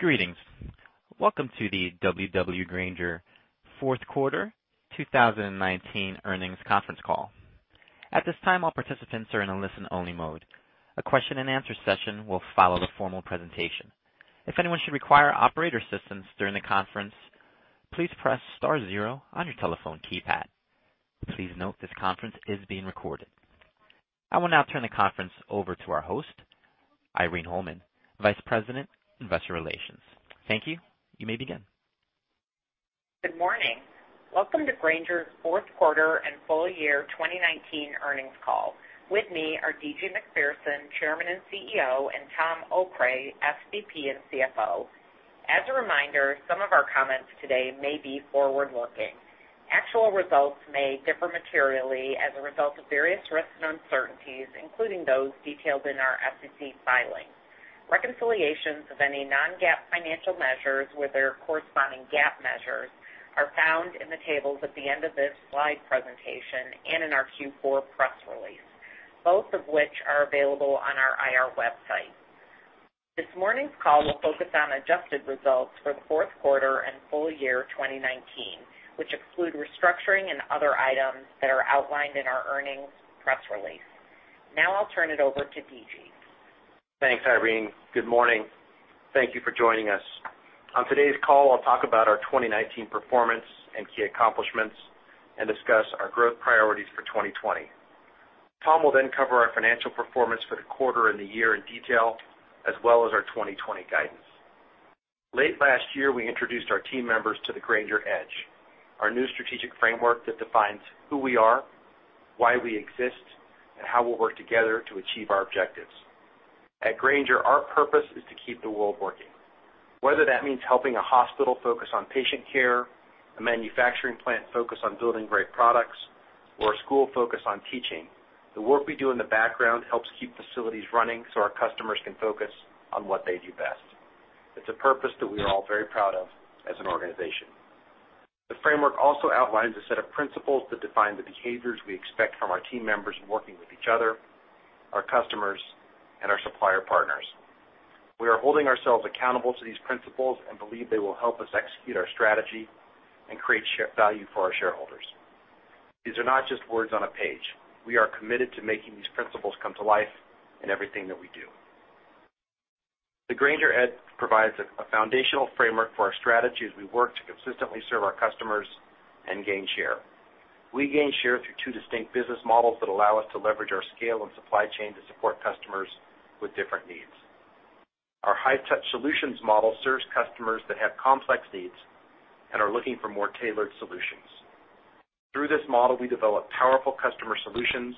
Greetings. Welcome to the W.W. Grainger, fourth quarter 2019 earnings conference call. At this time, all participants are in a listen-only mode. A question-and-answer session will follow the formal presentation. If anyone should require operator assistance during the conference, please press star zero on your telephone keypad. Please note this conference is being recorded. I will now turn the conference over to our host, Irene Holman, Vice President, Investor Relations. Thank you. You may begin. Good morning. Welcome to Grainger's fourth quarter and full year 2019 earnings call. With me are D.G. Macpherson, Chairman and CEO, and Tom Okray, SVP and CFO. As a reminder, some of our comments today may be forward-looking. Actual results may differ materially as a result of various risks and uncertainties, including those detailed in our SEC filings. Reconciliations of any non-GAAP financial measures with their corresponding GAAP measures are found in the tables at the end of this slide presentation and in our Q4 press release, both of which are available on our IR website. This morning's call will focus on adjusted results for the fourth quarter and full year 2019, which exclude restructuring and other items that are outlined in our earnings press release. Now I'll turn it over to D.G. Thanks, Irene. Good morning. Thank you for joining us. On today's call, I'll talk about our 2019 performance and key accomplishments and discuss our growth priorities for 2020. Tom will cover our financial performance for the quarter and the year in detail, as well as our 2020 guidance. Late last year, we introduced our team members to The Grainger Edge, our new strategic framework that defines who we are, why we exist, and how we'll work together to achieve our objectives. At Grainger, our purpose is to keep the world working. Whether that means helping a hospital focus on patient care, a manufacturing plant focus on building great products, or a school focus on teaching, the work we do in the background helps keep facilities running so our customers can focus on what they do best. It's a purpose that we are all very proud of as an organization. The framework also outlines a set of principles that define the behaviors we expect from our team members in working with each other, our customers, and our supplier partners. We are holding ourselves accountable to these principles and believe they will help us execute our strategy and create share value for our shareholders. These are not just words on a page. We are committed to making these principles come to life in everything that we do. The Grainger Edge provides a foundational framework for our strategy as we work to consistently serve our customers and gain share. We gain share through two distinct business models that allow us to leverage our scale and supply chain to support customers with different needs. Our high-touch solutions model serves customers that have complex needs and are looking for more tailored solutions. Through this model, we develop powerful customer solutions,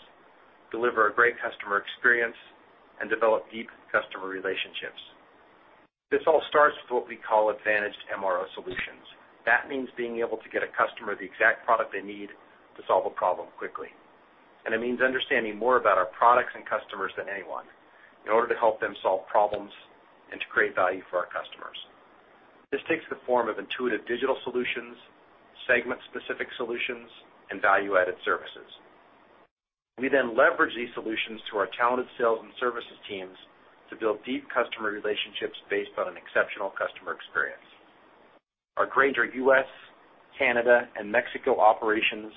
deliver a great customer experience, and develop deep customer relationships. This all starts with what we call advantaged MRO solutions. That means being able to get a customer the exact product they need to solve a problem quickly. It means understanding more about our products and customers than anyone in order to help them solve problems and to create value for our customers. This takes the form of intuitive digital solutions, segment-specific solutions, and value-added services. We leverage these solutions through our talented sales and services teams to build deep customer relationships based on an exceptional customer experience. Our Grainger U.S., Canada, and Mexico operations,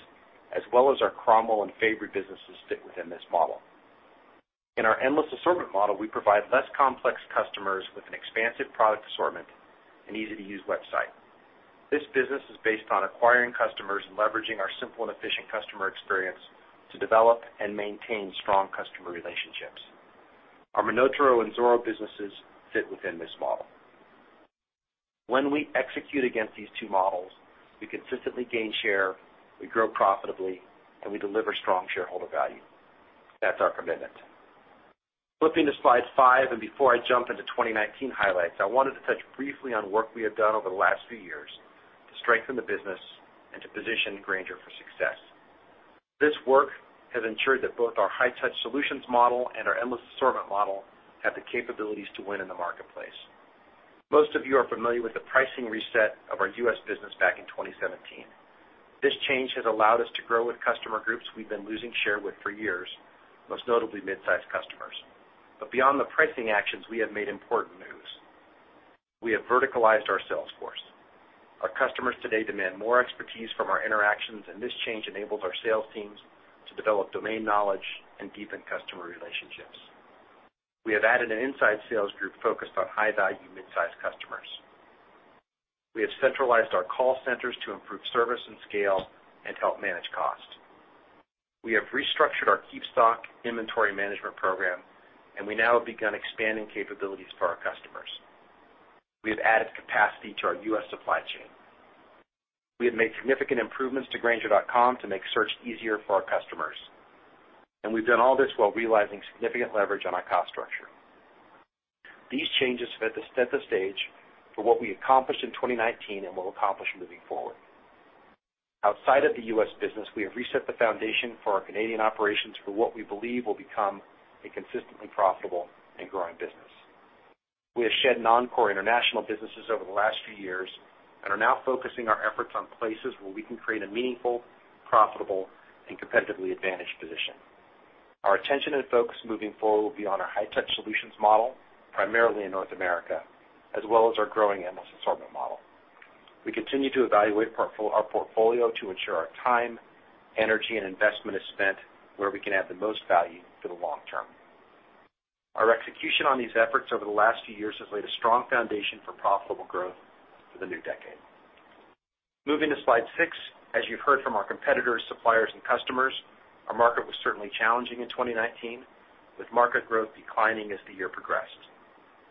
as well as our Cromwell and Fabory businesses, fit within this model. In our endless assortment model, we provide less complex customers with an expansive product assortment and easy-to-use website. This business is based on acquiring customers and leveraging our simple and efficient customer experience to develop and maintain strong customer relationships. Our MonotaRO and Zoro businesses fit within this model. When we execute against these two models, we consistently gain share, we grow profitably, and we deliver strong shareholder value. That's our commitment. Flipping to slide five, before I jump into 2019 highlights, I wanted to touch briefly on work we have done over the last few years to strengthen the business and to position Grainger for success. This work has ensured that both our high-touch solutions model and our endless assortment model have the capabilities to win in the marketplace. Most of you are familiar with the pricing reset of our U.S. business back in 2017. This change has allowed us to grow with customer groups we've been losing share with for years, most notably mid-sized customers. Beyond the pricing actions, we have made important moves. We have verticalized our sales force. Our customers today demand more expertise from our interactions, and this change enables our sales teams to develop domain knowledge and deepen customer relationships. We have added an inside sales group focused on high-value mid-sized customers. We have centralized our call centers to improve service and scale and help manage cost. We have restructured our KeepStock inventory management program, and we now have begun expanding capabilities for our customers. We have added capacity to our U.S. supply chain. We have made significant improvements to grainger.com to make search easier for our customers. We've done all this while realizing significant leverage on our cost structure. These changes have set the stage for what we accomplished in 2019 and will accomplish moving forward. Outside of the U.S. business, we have reset the foundation for our Canadian operations for what we believe will become a consistently profitable and growing business. We have shed non-core international businesses over the last few years and are now focusing our efforts on places where we can create a meaningful, profitable, and competitively advantaged position. Our attention and focus moving forward will be on our high-touch solutions model, primarily in North America, as well as our growing endless assortment model. We continue to evaluate our portfolio to ensure our time, energy, and investment is spent where we can add the most value for the long-term. Our execution on these efforts over the last few years has laid a strong foundation for profitable growth for the new decade. Moving to slide six. As you've heard from our competitors, suppliers, and customers, our market was certainly challenging in 2019, with market growth declining as the year progressed.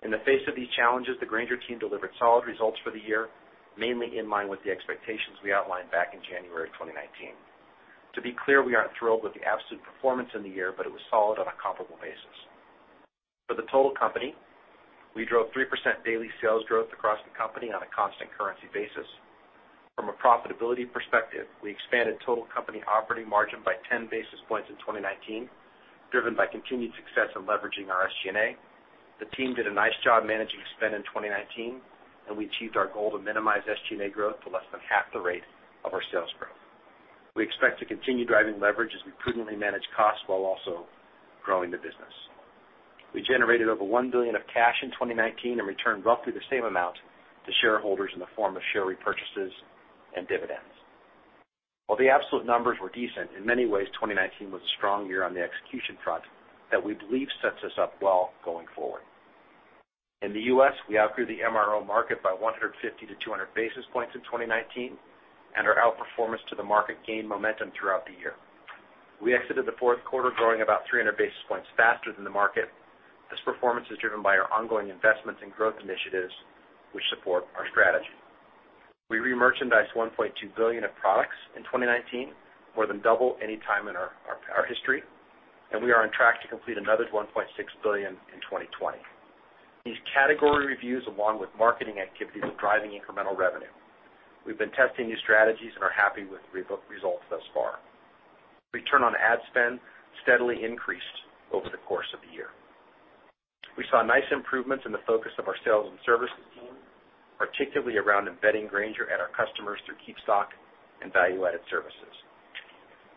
In the face of these challenges, the Grainger team delivered solid results for the year, mainly in line with the expectations we outlined back in January 2019. To be clear, we aren't thrilled with the absolute performance in the year, but it was solid on a comparable basis. For the total company, we drove 3% daily sales growth across the company on a constant currency basis. From a profitability perspective, we expanded total company operating margin by 10 basis points in 2019, driven by continued success in leveraging our SG&A. The team did a nice job managing spend in 2019, and we achieved our goal to minimize SG&A growth to less than half the rate of our sales growth. We expect to continue driving leverage as we prudently manage costs while also growing the business. We generated over $1 billion of cash in 2019 and returned roughly the same amount to shareholders in the form of share repurchases and dividends. While the absolute numbers were decent, in many ways, 2019 was a strong year on the execution front that we believe sets us up well going forward. In the U.S., we outgrew the MRO market by 150-200 basis points in 2019, and our outperformance to the market gained momentum throughout the year. We exited the fourth quarter growing about 300 basis points faster than the market. This performance is driven by our ongoing investments in growth initiatives which support our strategy. We remerchandised $1.2 billion of products in 2019, more than double any time in our history, and we are on track to complete another $1.6 billion in 2020. These category reviews, along with marketing activities, are driving incremental revenue. We've been testing new strategies and are happy with results thus far. Return on ad spend steadily increased over the course of the year. We saw nice improvements in the focus of our sales and services team, particularly around embedding Grainger and our customers through KeepStock and value-added services.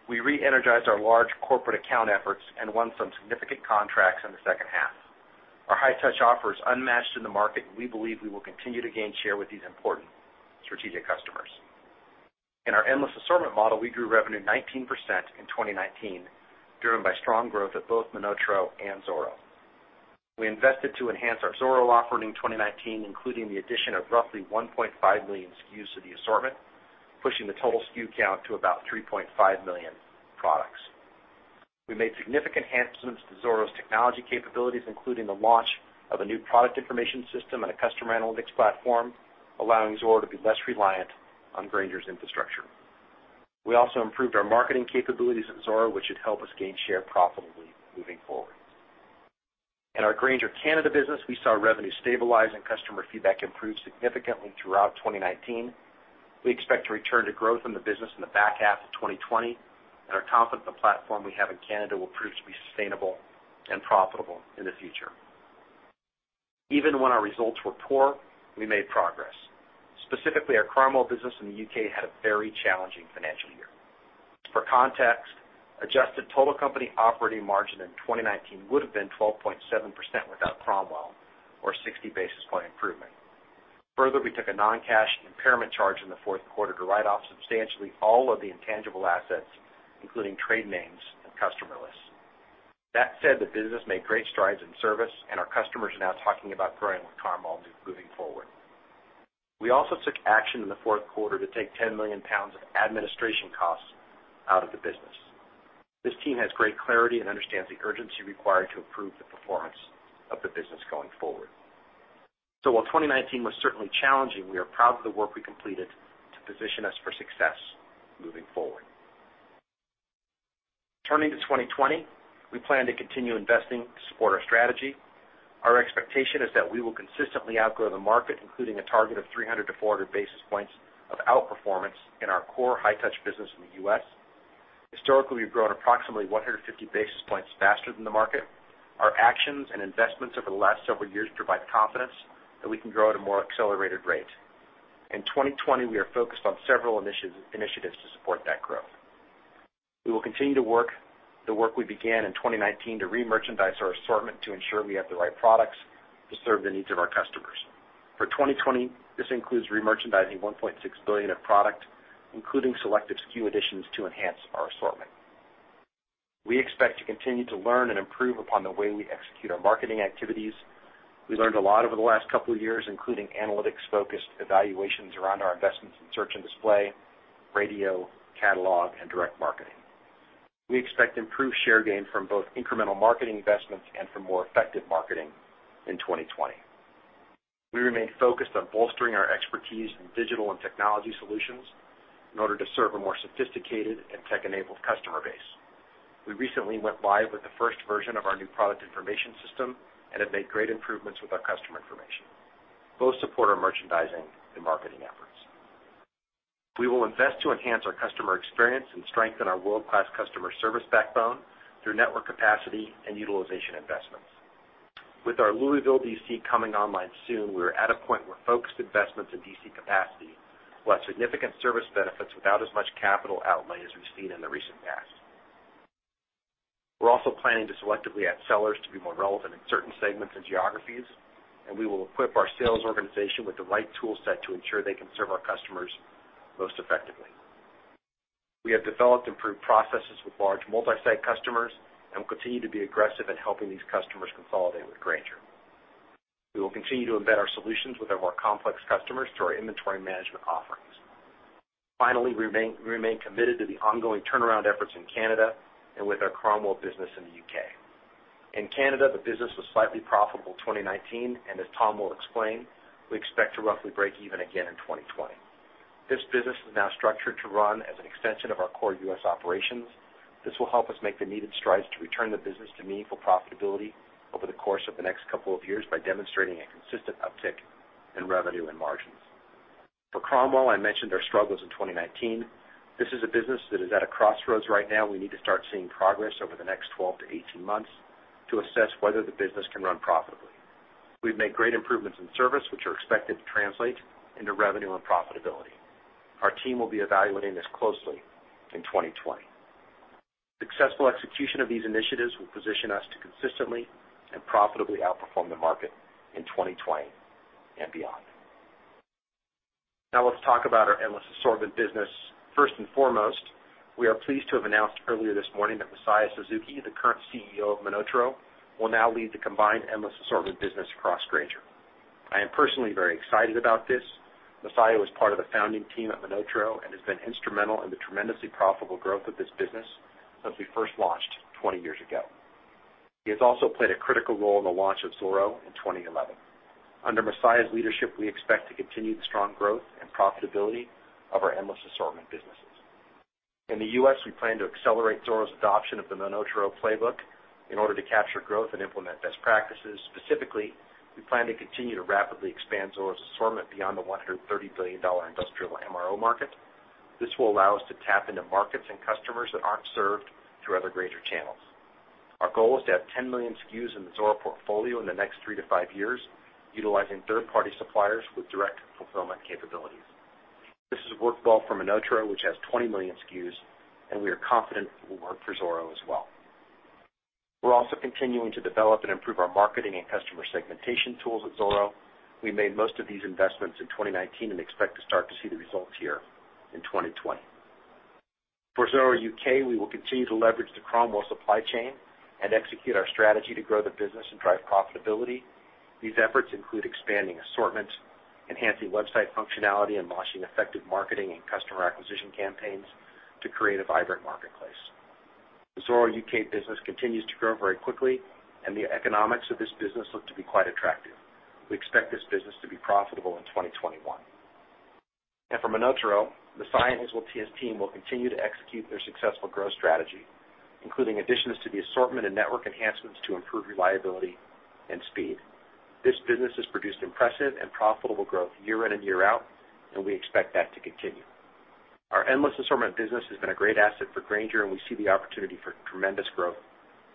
We re-energized our large corporate account efforts and won some significant contracts in the second half. Our high-touch offer is unmatched in the market, and we believe we will continue to gain share with these important strategic customers. In our endless assortment model, we grew revenue 19% in 2019, driven by strong growth at both MonotaRO and Zoro. We invested to enhance our Zoro offering in 2019, including the addition of roughly 1.5 million SKUs to the assortment, pushing the total SKU count to about 3.5 million products. We made significant enhancements to Zoro's technology capabilities, including the launch of a new product information system and a customer analytics platform, allowing Zoro to be less reliant on Grainger's infrastructure. We also improved our marketing capabilities at Zoro, which should help us gain share profitably moving forward. In our Grainger Canada business, we saw revenue stabilize and customer feedback improve significantly throughout 2019. We expect to return to growth in the business in the back half of 2020 and are confident the platform we have in Canada will prove to be sustainable and profitable in the future. Even when our results were poor, we made progress. Specifically, our Cromwell business in the U.K. had a very challenging financial year. For context, adjusted total company operating margin in 2019 would've been 12.7% without Cromwell or a 60 basis point improvement. Further, we took a non-cash impairment charge in the fourth quarter to write off substantially all of the intangible assets, including trade names and customer lists. That said, the business made great strides in service, and our customers are now talking about growing with Cromwell moving forward. We also took action in the fourth quarter to take 10 million pounds of administration costs out of the business. This team has great clarity and understands the urgency required to improve the performance of the business going forward. While 2019 was certainly challenging, we are proud of the work we completed to position us for success moving forward. Turning to 2020, we plan to continue investing to support our strategy. Our expectation is that we will consistently outgrow the market, including a target of 300 to 400 basis points of outperformance in our core high-touch business in the U.S. Historically, we've grown approximately 150 basis points faster than the market. Our actions and investments over the last several years provide confidence that we can grow at a more accelerated rate. In 2020, we are focused on several initiatives to support that growth. We will continue the work we began in 2019 to remerchandise our assortment to ensure we have the right products to serve the needs of our customers. For 2020, this includes remerchandising $1.6 billion of product, including selective SKU additions to enhance our assortment. We expect to continue to learn and improve upon the way we execute our marketing activities. We learned a lot over the last couple of years, including analytics-focused evaluations around our investments in search and display, radio, catalog, and direct marketing. We expect improved share gain from both incremental marketing investments and from more effective marketing in 2020. We remain focused on bolstering our expertise in digital and technology solutions in order to serve a more sophisticated and tech-enabled customer base. We recently went live with the first version of our new product information system and have made great improvements with our customer information. Both support our merchandising and marketing efforts. We will invest to enhance our customer experience and strengthen our world-class customer service backbone through network capacity and utilization investments. With our Louisville D.C. coming online soon, we're at a point where focused investments in D.C. capacity will have significant service benefits without as much capital outlay as we've seen in the recent past. We're also planning to selectively add sellers to be more relevant in certain segments and geographies, and we will equip our sales organization with the right tool set to ensure they can serve our customers most effectively. We have developed improved processes with large multi-site customers and will continue to be aggressive in helping these customers consolidate with Grainger. We will continue to embed our solutions with our more complex customers through our inventory management offerings. Finally, we remain committed to the ongoing turnaround efforts in Canada and with our Cromwell business in the U.K. In Canada, the business was slightly profitable 2019, and as Tom will explain, we expect to roughly break even again in 2020. This business is now structured to run as an extension of our core U.S. operations. This will help us make the needed strides to return the business to meaningful profitability over the course of the next couple of years by demonstrating a consistent uptick in revenue and margins. For Cromwell, I mentioned our struggles in 2019. This is a business that is at a crossroads right now. We need to start seeing progress over the next 12-18 months to assess whether the business can run profitably. We've made great improvements in service, which are expected to translate into revenue and profitability. Our team will be evaluating this closely in 2020. Successful execution of these initiatives will position us to consistently and profitably outperform the market in 2020 and beyond. Now let's talk about our Endless Assortment Business. First and foremost, we are pleased to have announced earlier this morning that Masaya Suzuki, the current CEO of MonotaRO, will now lead the combined endless assortment business across Grainger. I am personally very excited about this. Masaya was part of the founding team at MonotaRO and has been instrumental in the tremendously profitable growth of this business since we first launched 20 years ago. He has also played a critical role in the launch of Zoro in 2011. Under Masaya's leadership, we expect to continue the strong growth and profitability of our endless assortment businesses. In the U.S., we plan to accelerate Zoro's adoption of the MonotaRO playbook in order to capture growth and implement best practices. Specifically, we plan to continue to rapidly expand Zoro's assortment beyond the $130 billion industrial MRO market. This will allow us to tap into markets and customers that aren't served through other Grainger channels. Our goal is to have 10 million SKUs in the Zoro portfolio in the next three to five years, utilizing third-party suppliers with direct fulfillment capabilities. This has worked well for MonotaRO, which has 20 million SKUs, and we are confident it will work for Zoro as well. We're also continuing to develop and improve our marketing and customer segmentation tools at Zoro. We made most of these investments in 2019 and expect to start to see the results here in 2020. For Zoro U.K., we will continue to leverage the Cromwell supply chain and execute our strategy to grow the business and drive profitability. These efforts include expanding assortments, enhancing website functionality, and launching effective marketing and customer acquisition campaigns to create a vibrant marketplace. The Zoro U.K. business continues to grow very quickly, and the economics of this business look to be quite attractive. We expect this business to be profitable in 2021. For MonotaRO, Masaya and his team will continue to execute their successful growth strategy, including additions to the assortment and network enhancements to improve reliability and speed. This business has produced impressive and profitable growth year in and year out, and we expect that to continue. Our endless assortment business has been a great asset for Grainger, and we see the opportunity for tremendous growth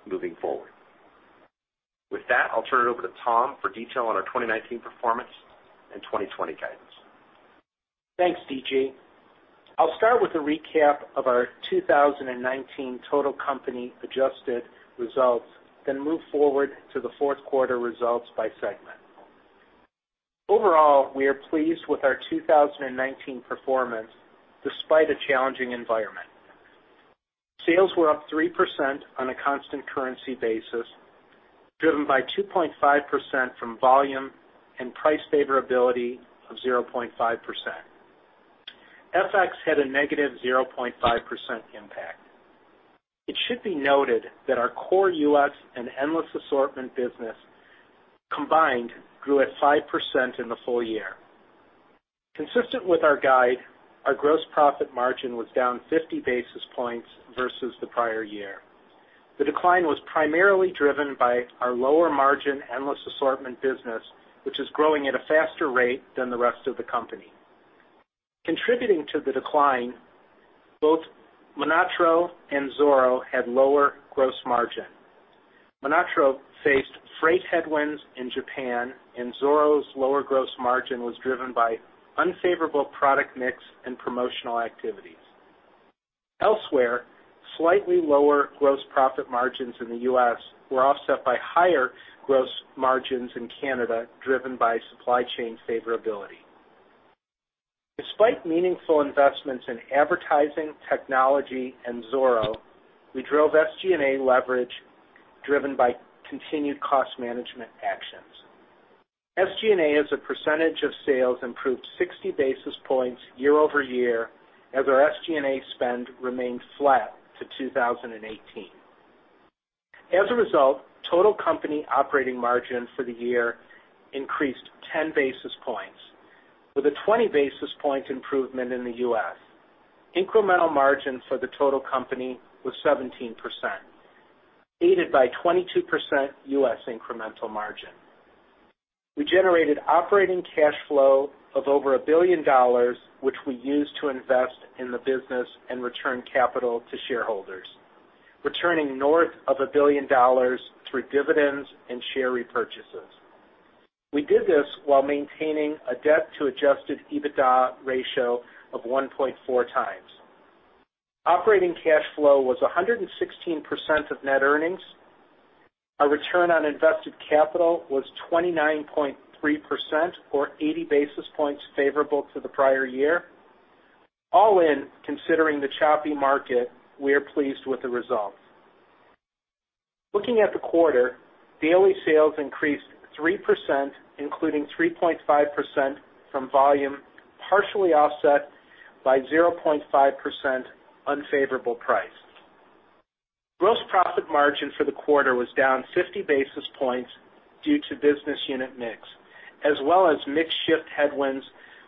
moving forward. With that, I'll turn it over to Tom for detail on our 2019 performance and 2020 guidance. Thanks, D.G. I'll start with a recap of our 2019 total company-adjusted results, then move forward to the fourth quarter results by segment. Overall, we are pleased with our 2019 performance, despite a challenging environment. Sales were up 3% on a constant currency basis, driven by 2.5% from volume and price favorability of 0.5%. FX had a -0.5% impact. It should be noted that our core U.S. and Endless Assortment Business combined grew at 5% in the full year. Consistent with our guide, our gross profit margin was down 50 basis points versus the prior year. The decline was primarily driven by our lower-margin, Endless Assortment Business, which is growing at a faster rate than the rest of the company. Contributing to the decline, both MonotaRO and Zoro had lower gross margin. MonotaRO faced freight headwinds in Japan, and Zoro's lower gross margin was driven by unfavorable product mix and promotional activities. Elsewhere, slightly lower gross profit margins in the U.S. were offset by higher gross margins in Canada, driven by supply chain favorability. Despite meaningful investments in advertising, technology, and Zoro, we drove SG&A leverage, driven by continued cost management actions. SG&A, as a percentage of sales, improved 60 basis points year-over-year as our SG&A spend remained flat to 2018. As a result, total company operating margin for the year increased 10 basis points, with a 20 basis point improvement in the U.S. Incremental margin for the total company was 17%, aided by 22% U.S. incremental margin. We generated operating cash flow of over $1 billion, which we used to invest in the business and return capital to shareholders, returning north of $1 billion through dividends and share repurchases. We did this while maintaining a debt to adjusted EBITDA ratio of 1.4x. Operating cash flow was 116% of net earnings. Our return on invested capital was 29.3%, or 80 basis points favorable to the prior year. All in, considering the choppy market, we are pleased with the results. Looking at the quarter, daily sales increased 3%, including 3.5% from volume, partially offset by 0.5% unfavorable price. Gross profit margin for the quarter was down 50 basis points due to business unit mix, as well as mix shift headwinds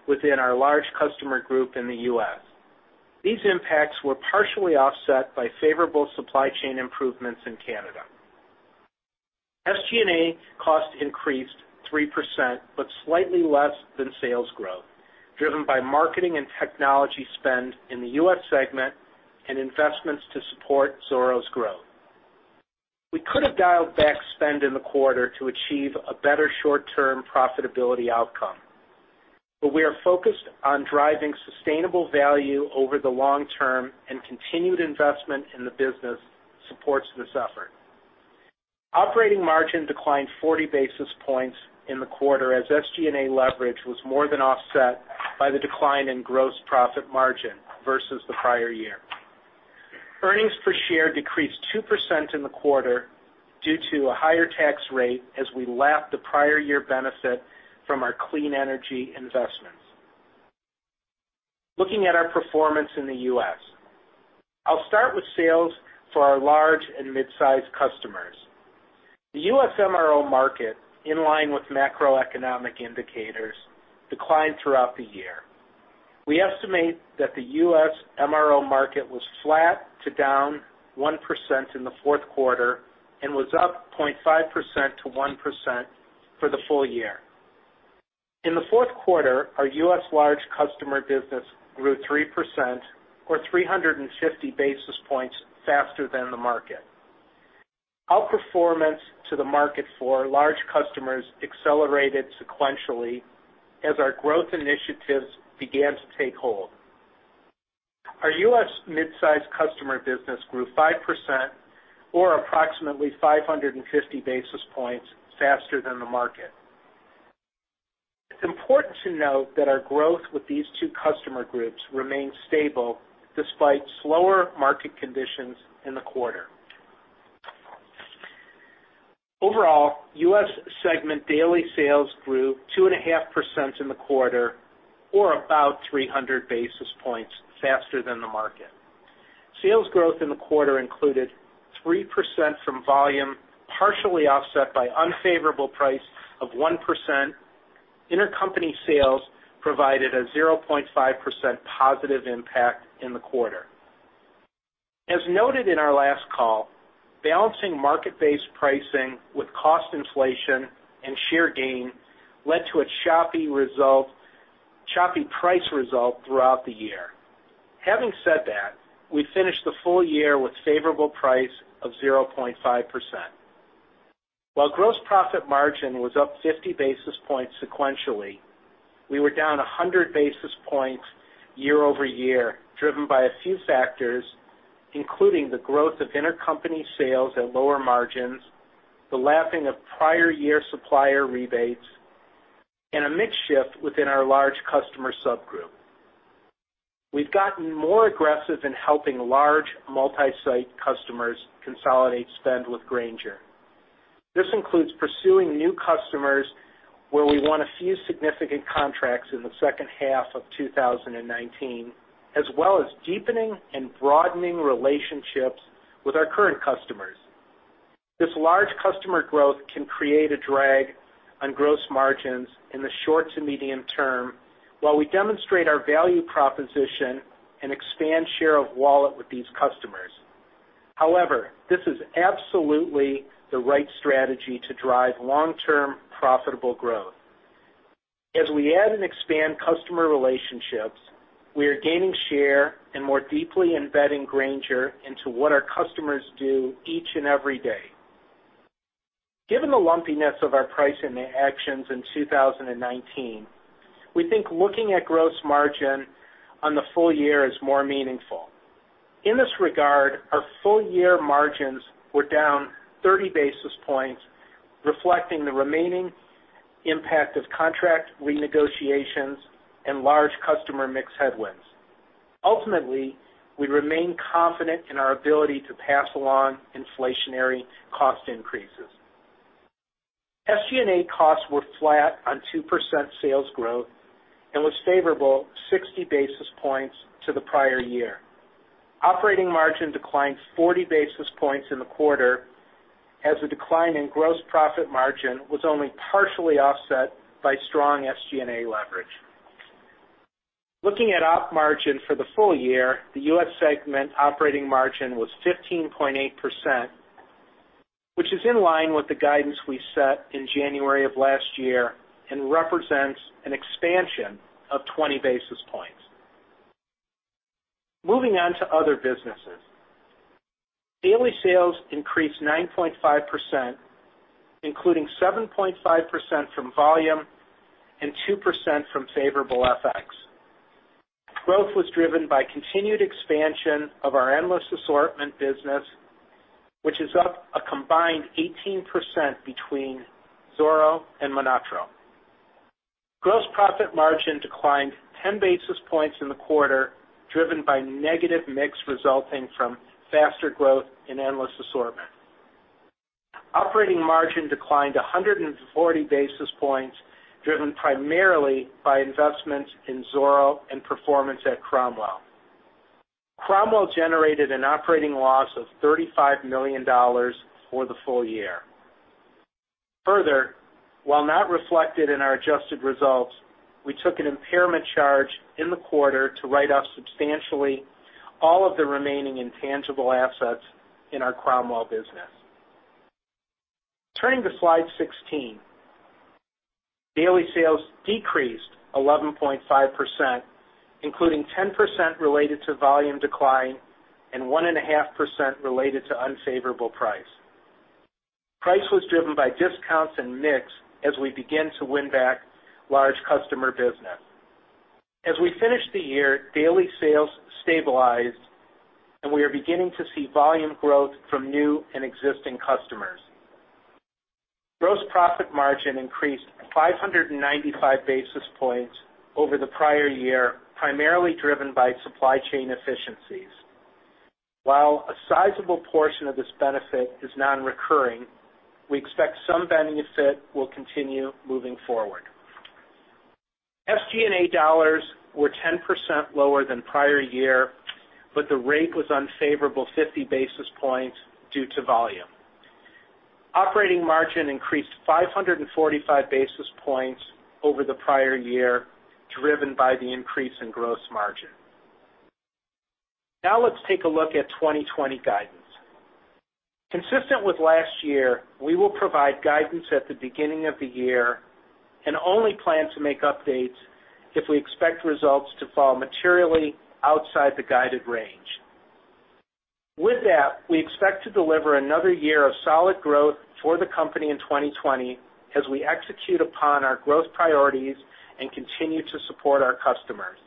within our large customer group in the U.S. These impacts were partially offset by favorable supply chain improvements in Canada. SG&A costs increased 3%, but slightly less than sales growth, driven by marketing and technology spend in the U.S. segment and investments to support Zoro's growth. We could have dialed back spend in the quarter to achieve a better short-term profitability outcome, but we are focused on driving sustainable value over the long-term, and continued investment in the business supports this effort. Operating margin declined 40 basis points in the quarter as SG&A leverage was more than offset by the decline in gross profit margin versus the prior year. Earnings per share decreased 2% in the quarter due to a higher tax rate as we lapped the prior year benefit from our clean energy investments. Looking at our performance in the U.S., I'll start with sales for our large and mid-size customers. The U.S. MRO market, in line with macroeconomic indicators, declined throughout the year. We estimate that the U.S. MRO market was flat to down 1% in the fourth quarter and was up 0.5%-1% for the full year. In the fourth quarter, our U.S. large customer business grew 3%, or 350 basis points faster than the market. Outperformance to the market for large customers accelerated sequentially as our growth initiatives began to take hold. Our U.S. mid-size customer business grew 5%, or approximately 550 basis points faster than the market. It's important to note that our growth with these two customer groups remained stable despite slower market conditions in the quarter. Overall, U.S. segment daily sales grew 2.5% in the quarter, or about 300 basis points faster than the market. Sales growth in the quarter included 3% from volume, partially offset by unfavorable price of 1%. Intercompany sales provided a 0.5%+ impact in the quarter. As noted in our last call, balancing market-based pricing with cost inflation and share gain led to a choppy price result throughout the year. Having said that, we finished the full year with favorable price of 0.5%. While gross profit margin was up 50 basis points sequentially, we were down 100 basis points year-over-year, driven by a few factors, including the growth of intercompany sales at lower margins, the lapping of prior year supplier rebates, and a mix shift within our large customer subgroup. We've gotten more aggressive in helping large multi-site customers consolidate spend with Grainger. This includes pursuing new customers where we won a few significant contracts in the second half of 2019, as well as deepening and broadening relationships with our current customers. This large customer growth can create a drag on gross margins in the short to medium-term while we demonstrate our value proposition and expand share of wallet with these customers. This is absolutely the right strategy to drive long-term profitable growth. As we add and expand customer relationships, we are gaining share and more deeply embedding Grainger into what our customers do each and every day. Given the lumpiness of our pricing actions in 2019, we think looking at gross margin on the full year is more meaningful. In this regard, our full year margins were down 30 basis points, reflecting the remaining impact of contract renegotiations and large customer mix headwinds. We remain confident in our ability to pass along inflationary cost increases. SG&A costs were flat on 2% sales growth and was favorable 60 basis points to the prior year. Operating margin declined 40 basis points in the quarter as the decline in gross profit margin was only partially offset by strong SG&A leverage. Looking at op margin for the full year, the U.S. segment operating margin was 15.8%, which is in line with the guidance we set in January of last year and represents an expansion of 20 basis points. Moving on to other businesses. Daily sales increased 9.5%, including 7.5% from volume and 2% from favorable FX. Growth was driven by continued expansion of our endless assortment business, which is up a combined 18% between Zoro and MonotaRO. Gross profit margin declined 10 basis points in the quarter, driven by negative mix resulting from faster growth in endless assortment. Operating margin declined 140 basis points, driven primarily by investments in Zoro and performance at Cromwell. Cromwell generated an operating loss of $35 million for the full year. While not reflected in our adjusted results, we took an impairment charge in the quarter to write off substantially all of the remaining intangible assets in our Cromwell business. Turning to slide 16. Daily sales decreased 11.5%, including 10% related to volume decline and one and a half percent related to unfavorable price. Price was driven by discounts and mix as we begin to win back large customer business. As we finish the year, daily sales stabilized, and we are beginning to see volume growth from new and existing customers. Gross profit margin increased 595 basis points over the prior year, primarily driven by supply chain efficiencies. While a sizable portion of this benefit is non-recurring, we expect some benefit will continue moving forward. SG&A dollars were 10% lower than prior year, but the rate was unfavorable 50 basis points due to volume. Operating margin increased 545 basis points over the prior year, driven by the increase in gross margin. Let's take a look at 2020 guidance. Consistent with last year, we will provide guidance at the beginning of the year and only plan to make updates if we expect results to fall materially outside the guided range. We expect to deliver another year of solid growth for the company in 2020 as we execute upon our growth priorities and continue to support our customers.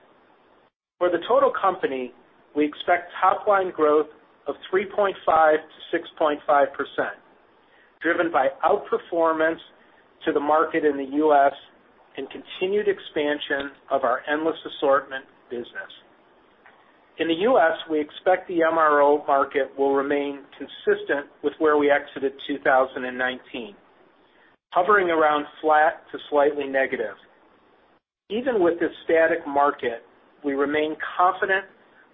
For the total company, we expect top-line growth of 3.5%-6.5%, driven by outperformance to the market in the U.S. and continued expansion of our Endless Assortment Business. In the U.S., we expect the MRO market will remain consistent with where we exited 2019, hovering around flat to slightly negative. Even with this static market, we remain confident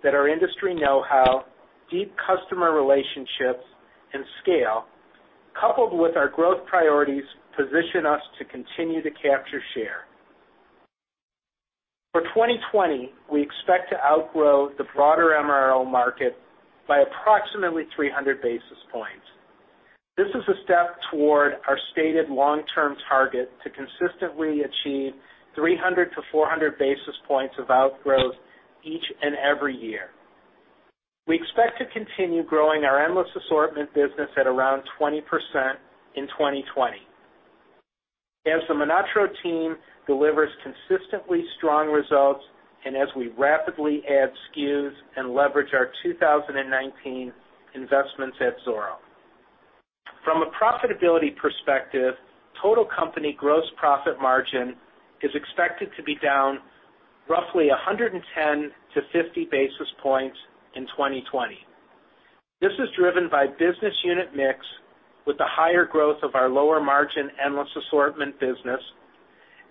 that our industry know-how, deep customer relationships, and scale, coupled with our growth priorities, position us to continue to capture share. For 2020, we expect to outgrow the broader MRO market by approximately 300 basis points. This is a step toward our stated long-term target to consistently achieve 300 to 400 basis points of outgrowths each and every year. We expect to continue growing our Endless Assortment Business at around 20% in 2020. As the MonotaRO team delivers consistently strong results and as we rapidly add SKUs and leverage our 2019 investments at Zoro. From a profitability perspective, total company gross profit margin is expected to be down roughly 110 to 50 basis points in 2020. This is driven by business unit mix with the higher growth of our lower margin Endless Assortment Business,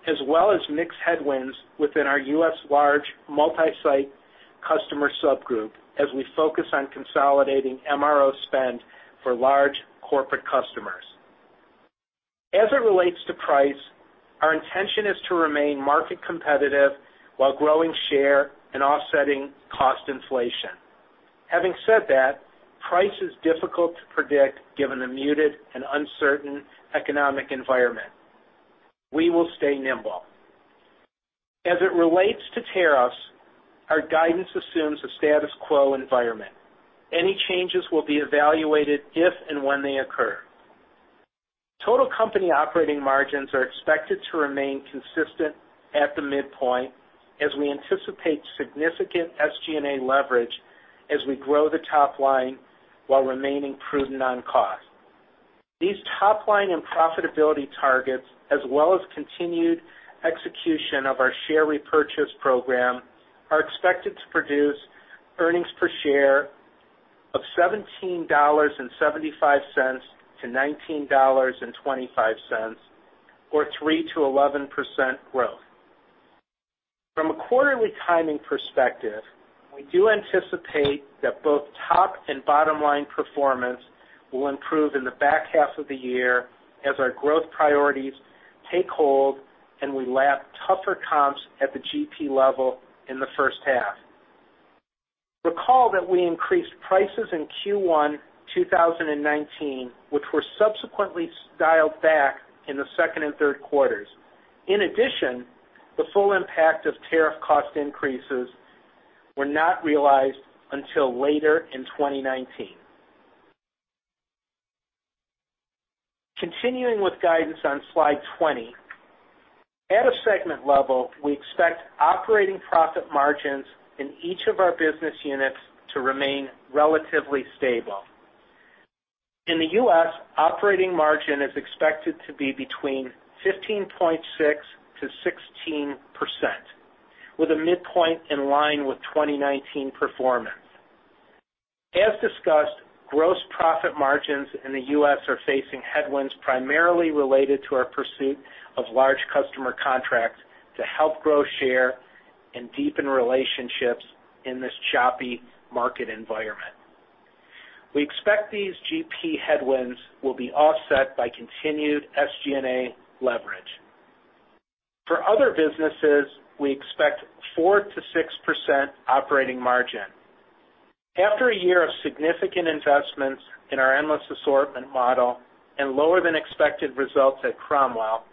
as well as mix headwinds within our U.S. large multi-site customer subgroup, as we focus on consolidating MRO spend for large corporate customers. As it relates to price, our intention is to remain market competitive while growing share and offsetting cost inflation. Having said that, price is difficult to predict, given the muted and uncertain economic environment. We will stay nimble. As it relates to tariffs, our guidance assumes a status quo environment. Any changes will be evaluated if and when they occur. Total company operating margins are expected to remain consistent at the midpoint as we anticipate significant SG&A leverage as we grow the top line while remaining prudent on cost. These top-line and profitability targets, as well as continued execution of our share repurchase program, are expected to produce earnings per share of $17.75-$19.25, or 3%-11% growth. From a quarterly timing perspective, we do anticipate that both top and bottom-line performance will improve in the back half of the year as our growth priorities take hold and we lap tougher comps at the GP level in the first half. Recall that we increased prices in Q1 2019, which were subsequently dialed back in the second and third quarters. The full impact of tariff cost increases were not realized until later in 2019. Continuing with guidance on slide 20. At a segment level, we expect operating profit margins in each of our business units to remain relatively stable. In the U.S., operating margin is expected to be between 15.6%-16%, with a midpoint in line with 2019 performance. As discussed, gross profit margins in the U.S. are facing headwinds primarily related to our pursuit of large customer contracts to help grow share and deepen relationships in this choppy market environment. We expect these GP headwinds will be offset by continued SG&A leverage. For other businesses, we expect 4%-6% operating margin. After a year of significant investments in our endless assortment model and lower than expected results at Cromwell,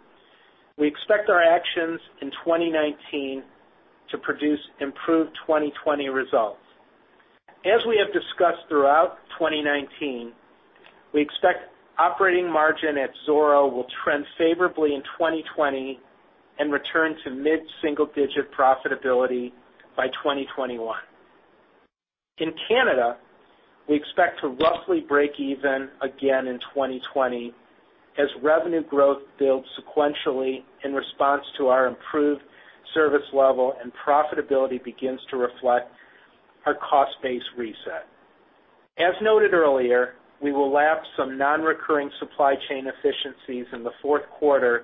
we expect our actions in 2019 to produce improved 2020 results. As we have discussed throughout 2019, we expect operating margin at Zoro will trend favorably in 2020 and return to mid-single-digit profitability by 2021. In Canada, we expect to roughly break even again in 2020 as revenue growth builds sequentially in response to our improved service level and profitability begins to reflect our cost-based reset. As noted earlier, we will lap some non-recurring supply chain efficiencies in the fourth quarter,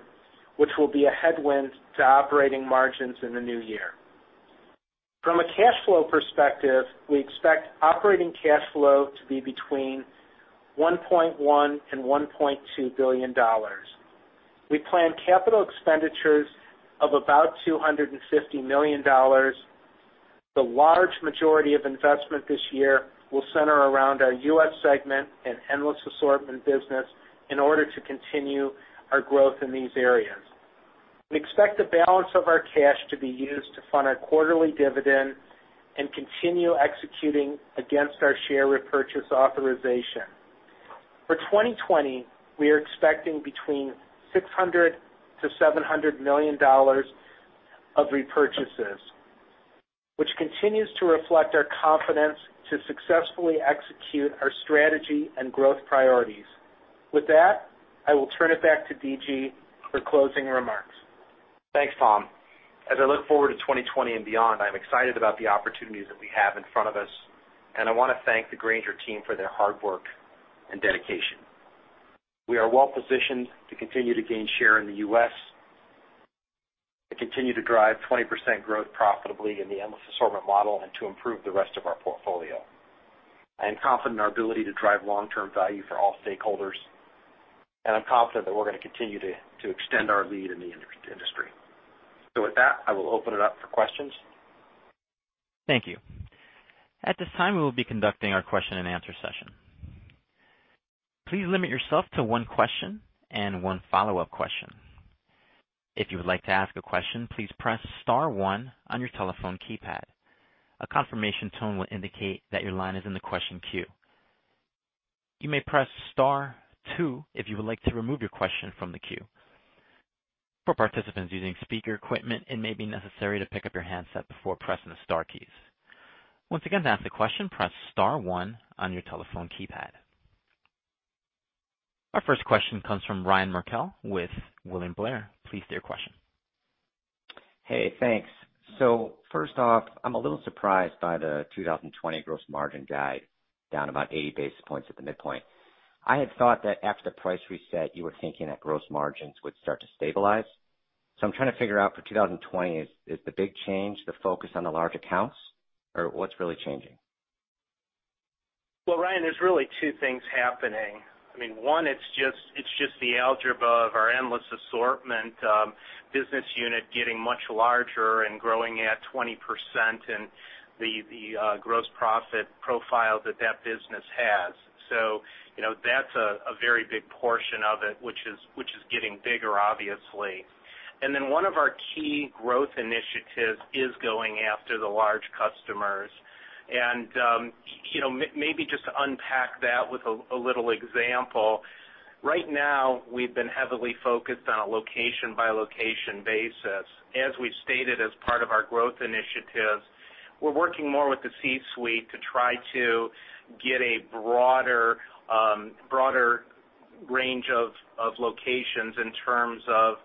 which will be a headwind to operating margins in the new year. From a cash flow perspective, we expect operating cash flow to be between $1.1 and $1.2 billion. We plan capital expenditures of about $250 million. The large majority of investment this year will center around our U.S. segment and endless assortment business in order to continue our growth in these areas. We expect the balance of our cash to be used to fund our quarterly dividend and continue executing against our share repurchase authorization. For 2020, we are expecting between $600 million-$700 million of repurchases, which continues to reflect our confidence to successfully execute our strategy and growth priorities. With that, I will turn it back to D.G. for closing remarks. Thanks, Tom. As I look forward to 2020 and beyond, I'm excited about the opportunities that we have in front of us, and I want to thank the Grainger team for their hard work and dedication. We are well positioned to continue to gain share in the U.S., to continue to drive 20% growth profitably in the endless assortment model and to improve the rest of our portfolio. I am confident in our ability to drive long-term value for all stakeholders, and I'm confident that we're going to continue to extend our lead in the industry. With that, I will open it up for questions. Thank you. At this time, we will be conducting our question-and-answer session. Please limit yourself to one question and one follow-up question. If you would like to ask a question, please press star one on your telephone keypad. A confirmation tone will indicate that your line is in the question queue. You may press star 2 if you would like to remove your question from the queue. For participants using speaker equipment, it may be necessary to pick up your handset before pressing the star keys. Once again, to ask a question, press star one on your telephone keypad. Our first question comes from Ryan Merkel with William Blair. Please state your question. Hey, thanks. First off, I'm a little surprised by the 2020 gross margin guide down about 80 basis points at the midpoint. I had thought that after price reset, you were thinking that gross margins would start to stabilize. I'm trying to figure out for 2020, is the big change the focus on the large accounts, or what's really changing? Well, Ryan, there's really two things happening. One, it's just the algebra of our Endless Assortment Business unit getting much larger and growing at 20% and the gross profit profile that that business has. That's a very big portion of it, which is getting bigger, obviously. One of our key growth initiatives is going after the large customers. Maybe just to unpack that with a little example. Right now, we've been heavily focused on a location-by-location basis. As we've stated as part of our growth initiatives, we're working more with the C-suite to try to get a broader range of locations in terms of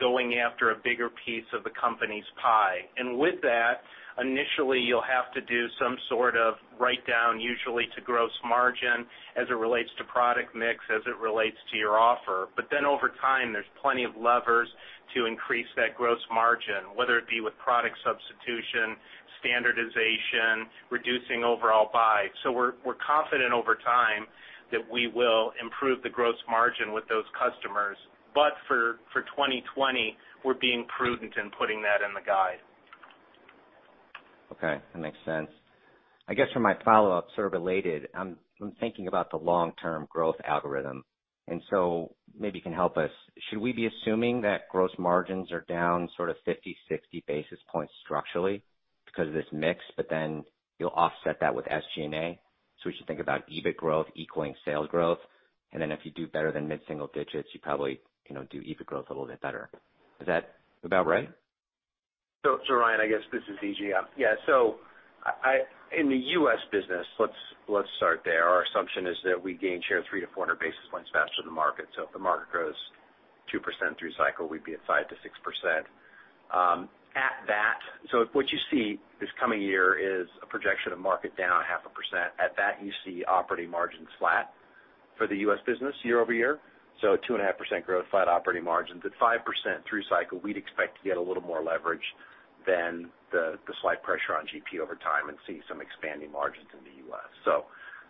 going after a bigger piece of the company's pie. With that, initially, you'll have to do some sort of write down, usually to gross margin as it relates to product mix, as it relates to your offer. Over time, there's plenty of levers to increase that gross margin, whether it be with product substitution, standardization, reducing overall buy. We're confident over time that we will improve the gross margin with those customers. For 2020, we're being prudent in putting that in the guide. Okay, that makes sense. I guess for my follow-up, sort of related, I'm thinking about the long-term growth algorithm, maybe you can help us. Should we be assuming that gross margins are down sort of 50, 60 basis points structurally because of this mix, you'll offset that with SG&A? We should think about EBIT growth equaling sales growth, if you do better than mid-single digits, you probably do EBIT growth a little bit better. Is that about right? Ryan, I guess this is D.G. Yeah. In the U.S. business, let's start there. Our assumption is that we gain share 300 to 400 basis points faster than the market. If the market grows 2% through cycle, we'd be at 5%-6%. What you see this coming year is a projection of market down a 0.5%. At that, you see operating margins flat for the U.S. business year-over-year. 2.5% growth, flat operating margins. At 5% through cycle, we'd expect to get a little more leverage than the slight pressure on GP over time and see some expanding margins in the U.S.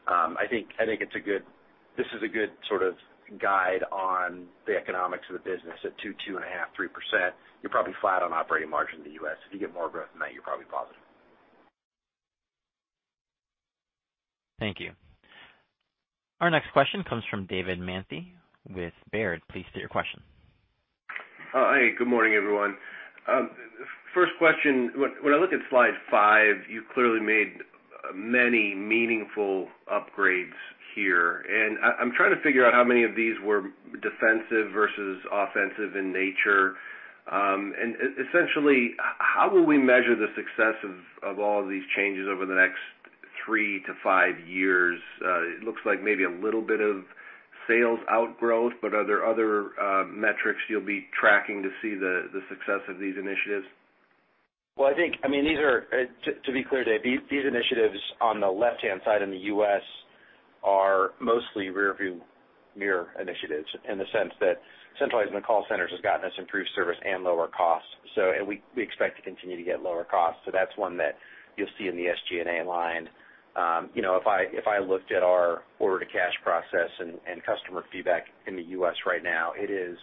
I think this is a good sort of guide on the economics of the business at 2.5%, 3%. You're probably flat on operating margin in the U.S. If you get more growth than that, you're probably positive. Thank you. Our next question comes from David Manthey with Baird. Please state your question. Hi, good morning, everyone. First question, when I look at slide five, you clearly made many meaningful upgrades here. I'm trying to figure out how many of these were defensive versus offensive in nature. Essentially, how will we measure the success of all of these changes over the next three to five years? It looks like maybe a little bit of sales outgrowth. Are there other metrics you'll be tracking to see the success of these initiatives? To be clear, David, these initiatives on the left-hand side in the U.S. are mostly rearview mirror initiatives in the sense that centralizing the call centers has gotten us improved service and lower costs. We expect to continue to get lower costs. That's one that you'll see in the SG&A line. If I looked at our order-to-cash process and customer feedback in the U.S. right now, it is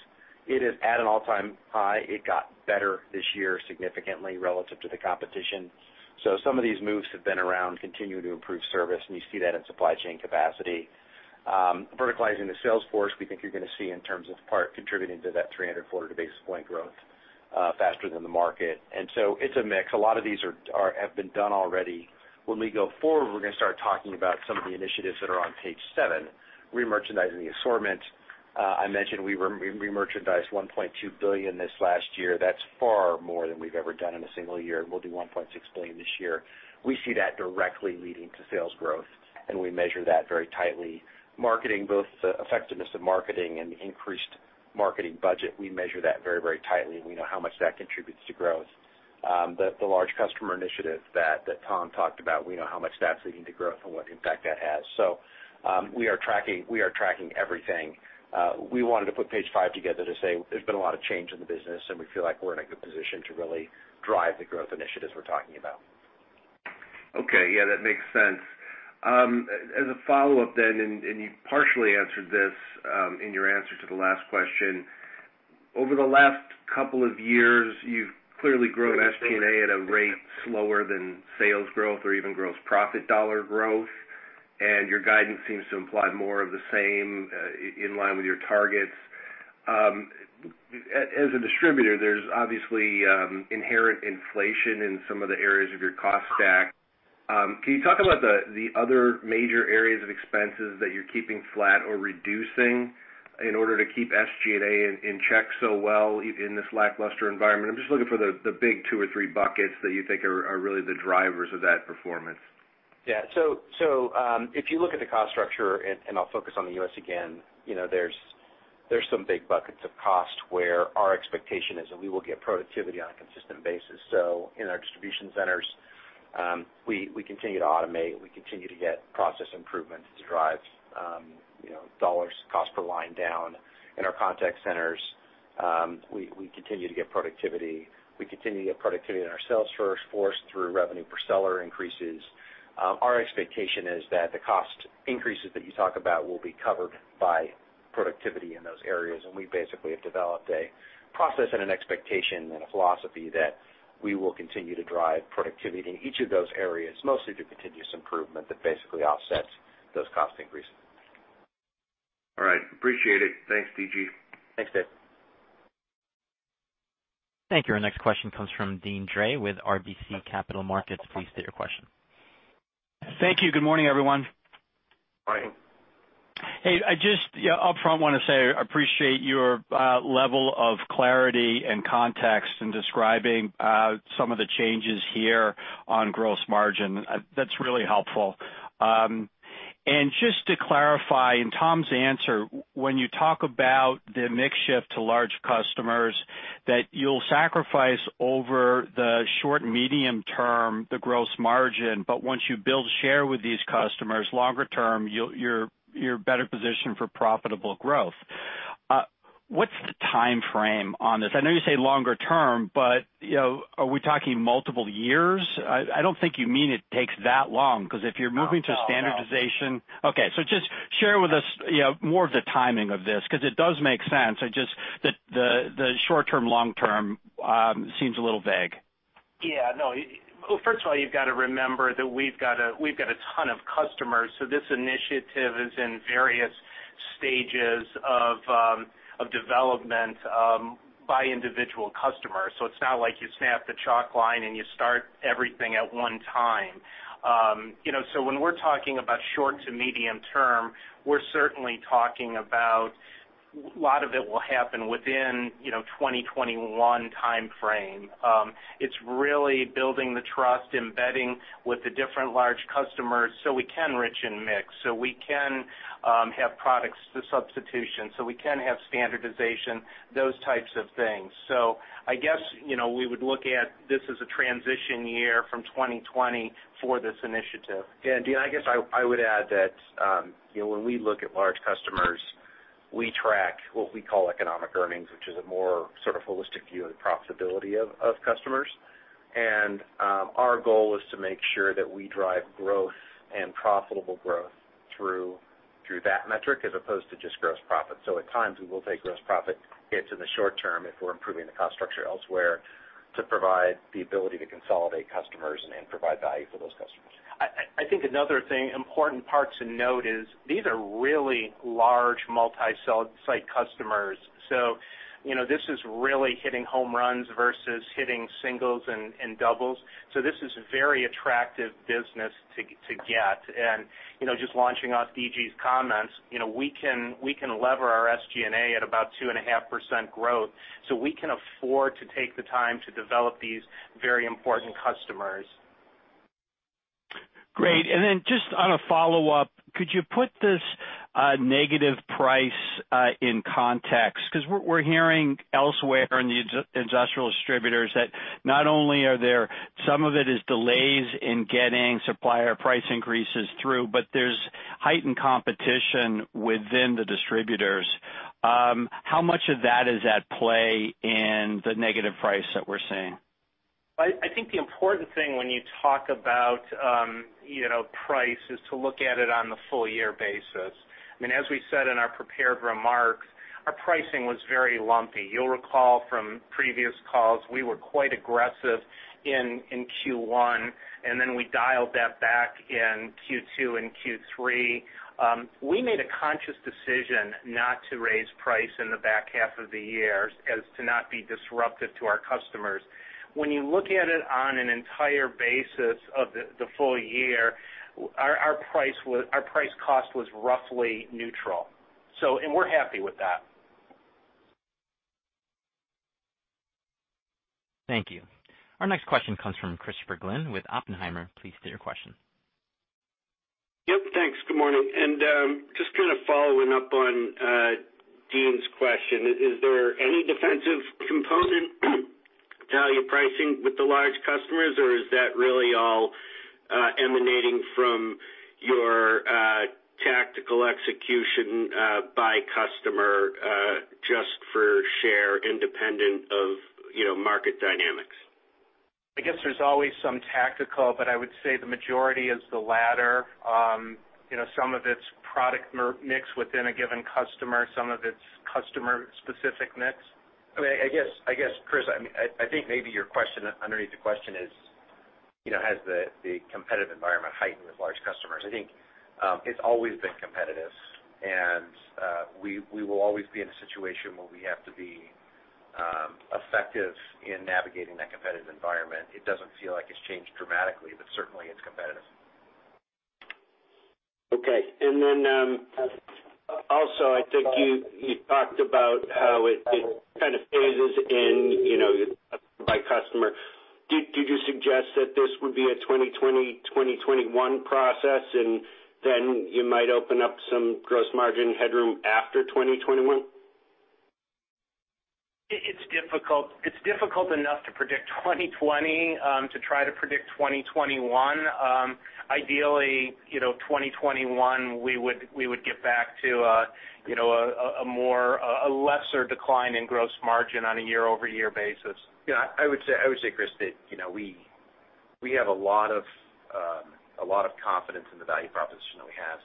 at an all-time high. It got better this year significantly relative to the competition. Some of these moves have been around continuing to improve service, and you see that in supply chain capacity. Verticalizing the sales force, we think you're going to see in terms of part contributing to that 300, 400 basis point growth faster than the market. It's a mix. A lot of these have been done already. When we go forward, we're going to start talking about some of the initiatives that are on page seven. Re-merchandising the assortment. I mentioned we re-merchandised $1.2 billion this last year. That's far more than we've ever done in a single year, and we'll do $1.6 billion this year. We see that directly leading to sales growth, and we measure that very tightly. Marketing, both the effectiveness of marketing and increased marketing budget, we measure that very tightly, and we know how much that contributes to growth. The Large Customer Initiative that Tom talked about, we know how much that's leading to growth and what impact that has. We are tracking everything. We wanted to put page five together to say there's been a lot of change in the business, and we feel like we're in a good position to really drive the growth initiatives we're talking about. Okay. Yeah, that makes sense. As a follow-up, you partially answered this in your answer to the last question, over the last couple of years, you've clearly grown SG&A at a rate slower than sales growth or even gross profit dollar growth, and your guidance seems to imply more of the same in line with your targets. As a distributor, there's obviously inherent inflation in some of the areas of your cost stack. Can you talk about the other major areas of expenses that you're keeping flat or reducing in order to keep SG&A in check so well in this lackluster environment? I'm just looking for the big two or three buckets that you think are really the drivers of that performance. If you look at the cost structure, and I'll focus on the U.S. again, there's some big buckets of cost where our expectation is that we will get productivity on a consistent basis. In our distribution centers, we continue to automate, we continue to get process improvements to drive dollars cost per line down. In our contact centers, we continue to get productivity. We continue to get productivity in our sales force through revenue per seller increases. Our expectation is that the cost increases that you talk about will be covered by productivity in those areas, and we basically have developed a process and an expectation and a philosophy that we will continue to drive productivity in each of those areas, mostly through continuous improvement that basically offsets those cost increases. All right. Appreciate it. Thanks, D.G. Thanks, Dave. Thank you. Our next question comes from Deane Dray with RBC Capital Markets. Please state your question. Thank you. Good morning, everyone. Morning. Hey, I just upfront want to say I appreciate your level of clarity and context in describing some of the changes here on gross margin. That's really helpful. Just to clarify, in Tom's answer, when you talk about the mix shift to large customers, that you'll sacrifice over the short and medium-term, the gross margin, but once you build share with these customers longer-term, you're better positioned for profitable growth. What's the timeframe on this? I know you say longer-term, but are we talking multiple years? I don't think you mean it takes that long because if you're moving to standardization- No. Okay, just share with us more of the timing of this because it does make sense. It's just that the short-term, long-term seems a little vague. Yeah. No. Well, first of all, you've got to remember that we've got a ton of customers. This initiative is in various stages of development by individual customers. It's not like you snap the chalk line and you start everything at one time. When we're talking about short to medium-term, we're certainly talking about a lot of it will happen within 2021 timeframe. It's really building the trust, embedding with the different large customers so we can rich and mix, so we can have products to substitution, so we can have standardization, those types of things. I guess, we would look at this as a transition year from 2020 for this initiative. Yeah, Deane, I guess I would add that when we look at large customers, we track what we call economic earnings, which is a more sort of holistic view of the profitability of customers. Our goal is to make sure that we drive growth and profitable growth through that metric as opposed to just gross profit. At times, we will take gross profit hits in the short-term if we're improving the cost structure elsewhere to provide the ability to consolidate customers and provide value for those customers. I think another thing, important part to note is these are really large multi-site customers. This is really hitting home runs versus hitting singles and doubles. This is very attractive business to get. Just launching off D.G.'s comments, we can lever our SG&A at about 2.5% growth, we can afford to take the time to develop these very important customers. Great. Just on a follow-up, could you put this negative price in context? We're hearing elsewhere in the industrial distributors that not only are there some of it is delays in getting supplier price increases through, but there's heightened competition within the distributors. How much of that is at play in the negative price that we're seeing? I think the important thing when you talk about price is to look at it on the full year basis. As we said in our prepared remarks, our pricing was very lumpy. You'll recall from previous calls, we were quite aggressive in Q1, then we dialed that back in Q2 and Q3. We made a conscious decision not to raise price in the back half of the year as to not be disruptive to our customers. When you look at it on an entire basis of the full year, our price cost was roughly neutral. We're happy with that. Thank you. Our next question comes from Christopher Glynn with Oppenheimer. Please state your question. Yep. Thanks. Good morning. Just kind of following up on Deane's question, is there any defensive component to how you're pricing with the large customers or is that really all emanating from your tactical execution by customer just for share independent of market dynamics? I guess there's always some tactical, but I would say the majority is the latter. Some of it's product mix within a given customer, some of it's customer specific mix. I guess, Chris, I think maybe underneath the question is, has the competitive environment heightened with large customers? I think it's always been competitive and we will always be in a situation where we have to be effective in navigating that competitive environment. It doesn't feel like it's changed dramatically, but certainly it's competitive. Okay. I think you talked about how it kind of phases in by customer. Did you suggest that this would be a 2020, 2021 process, and then you might open up some gross margin headroom after 2021? It's difficult enough to predict 2020 to try to predict 2021. Ideally, 2021, we would get back to a lesser decline in gross margin on a year-over-year basis. I would say, Chris, that we have a lot of confidence in the value proposition that we have.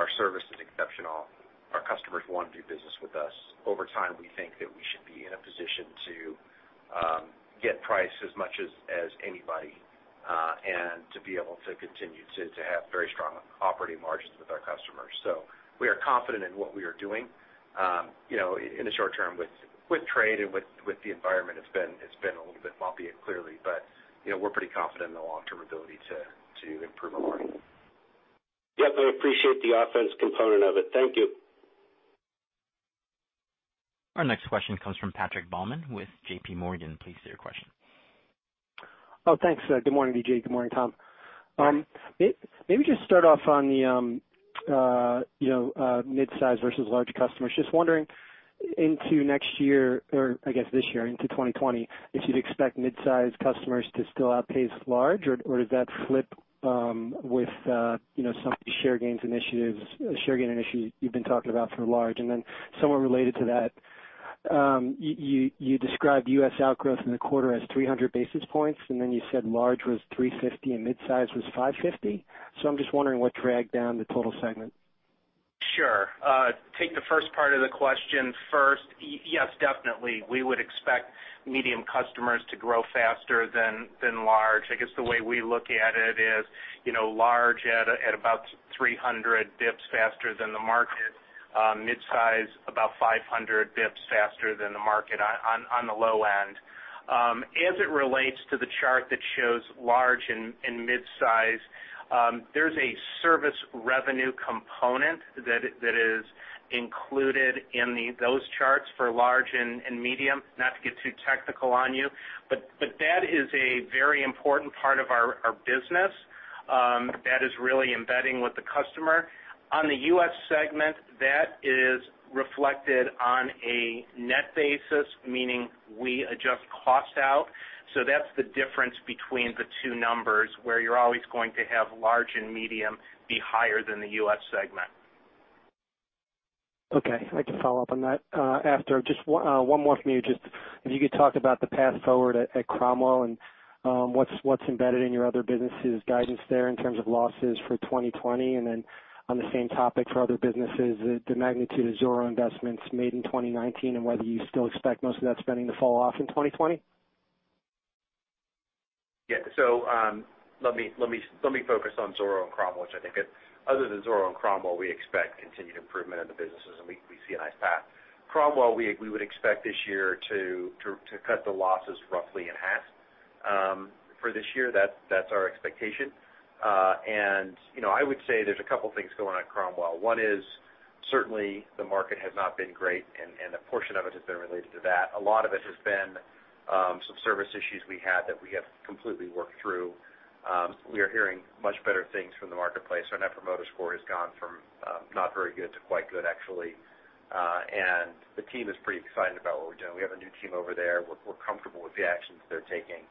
Our service is exceptional. Our customers want to do business with us. Over time, we think that we should be in a position to get price as much as anybody, and to be able to continue to have very strong operating margins with our customers. We are confident in what we are doing. In the short-term with trade and with the environment, it's been a little bit bumpy clearly, but we're pretty confident in the long-term ability to improve our margin. Yep. I appreciate the offense component of it. Thank you. Our next question comes from Patrick Baumann with JPMorgan. Please state your question. Thanks. Good morning, D.G. Good morning, Tom. Maybe just start off on the mid-size versus large customers. Just wondering into next year, or I guess this year into 2020, if you'd expect mid-size customers to still outpace large or does that flip with some of the share gain initiatives you've been talking about for large? Somewhat related to that, you described U.S. outgrowth in the quarter as 300 basis points, you said large was 350 and mid-size was 550. I'm just wondering what dragged down the total segment. Sure. Take the first part of the question first. Yes, definitely, we would expect medium customers to grow faster than large. I guess the way we look at it is large at about 300 bps faster than the market. Mid-size, about 500 bps faster than the market on the low end. As it relates to the chart that shows large and mid-size, there's a service revenue component that is included in those charts for large and medium. Not to get too technical on you, but that is a very important part of our business that is really embedding with the customer. On the U.S. segment, that is reflected on a net basis, meaning we adjust cost out. That's the difference between the two numbers, where you're always going to have large and medium be higher than the U.S. segment. Okay. If I could follow-up on that after. Just one more from me. If you could talk about the path forward at Cromwell and what's embedded in your other businesses guidance there in terms of losses for 2020. On the same topic for other businesses, the magnitude of Zoro investments made in 2019 and whether you still expect most of that spending to fall off in 2020? Let me focus on Zoro and Cromwell, which I think other than Zoro and Cromwell, we expect continued improvement in the businesses, and we see a nice path. Cromwell, we would expect this year to cut the losses roughly in half. For this year, that's our expectation. I would say there's two things going on at Cromwell. One is certainly the market has not been great, and a portion of it has been related to that. A lot of it has been some service issues we had that we have completely worked through. We are hearing much better things from the marketplace. Our Net Promoter Score has gone from not very good to quite good, actually. The team is pretty excited about what we're doing. We have a new team over there. We're comfortable with the actions they're taking.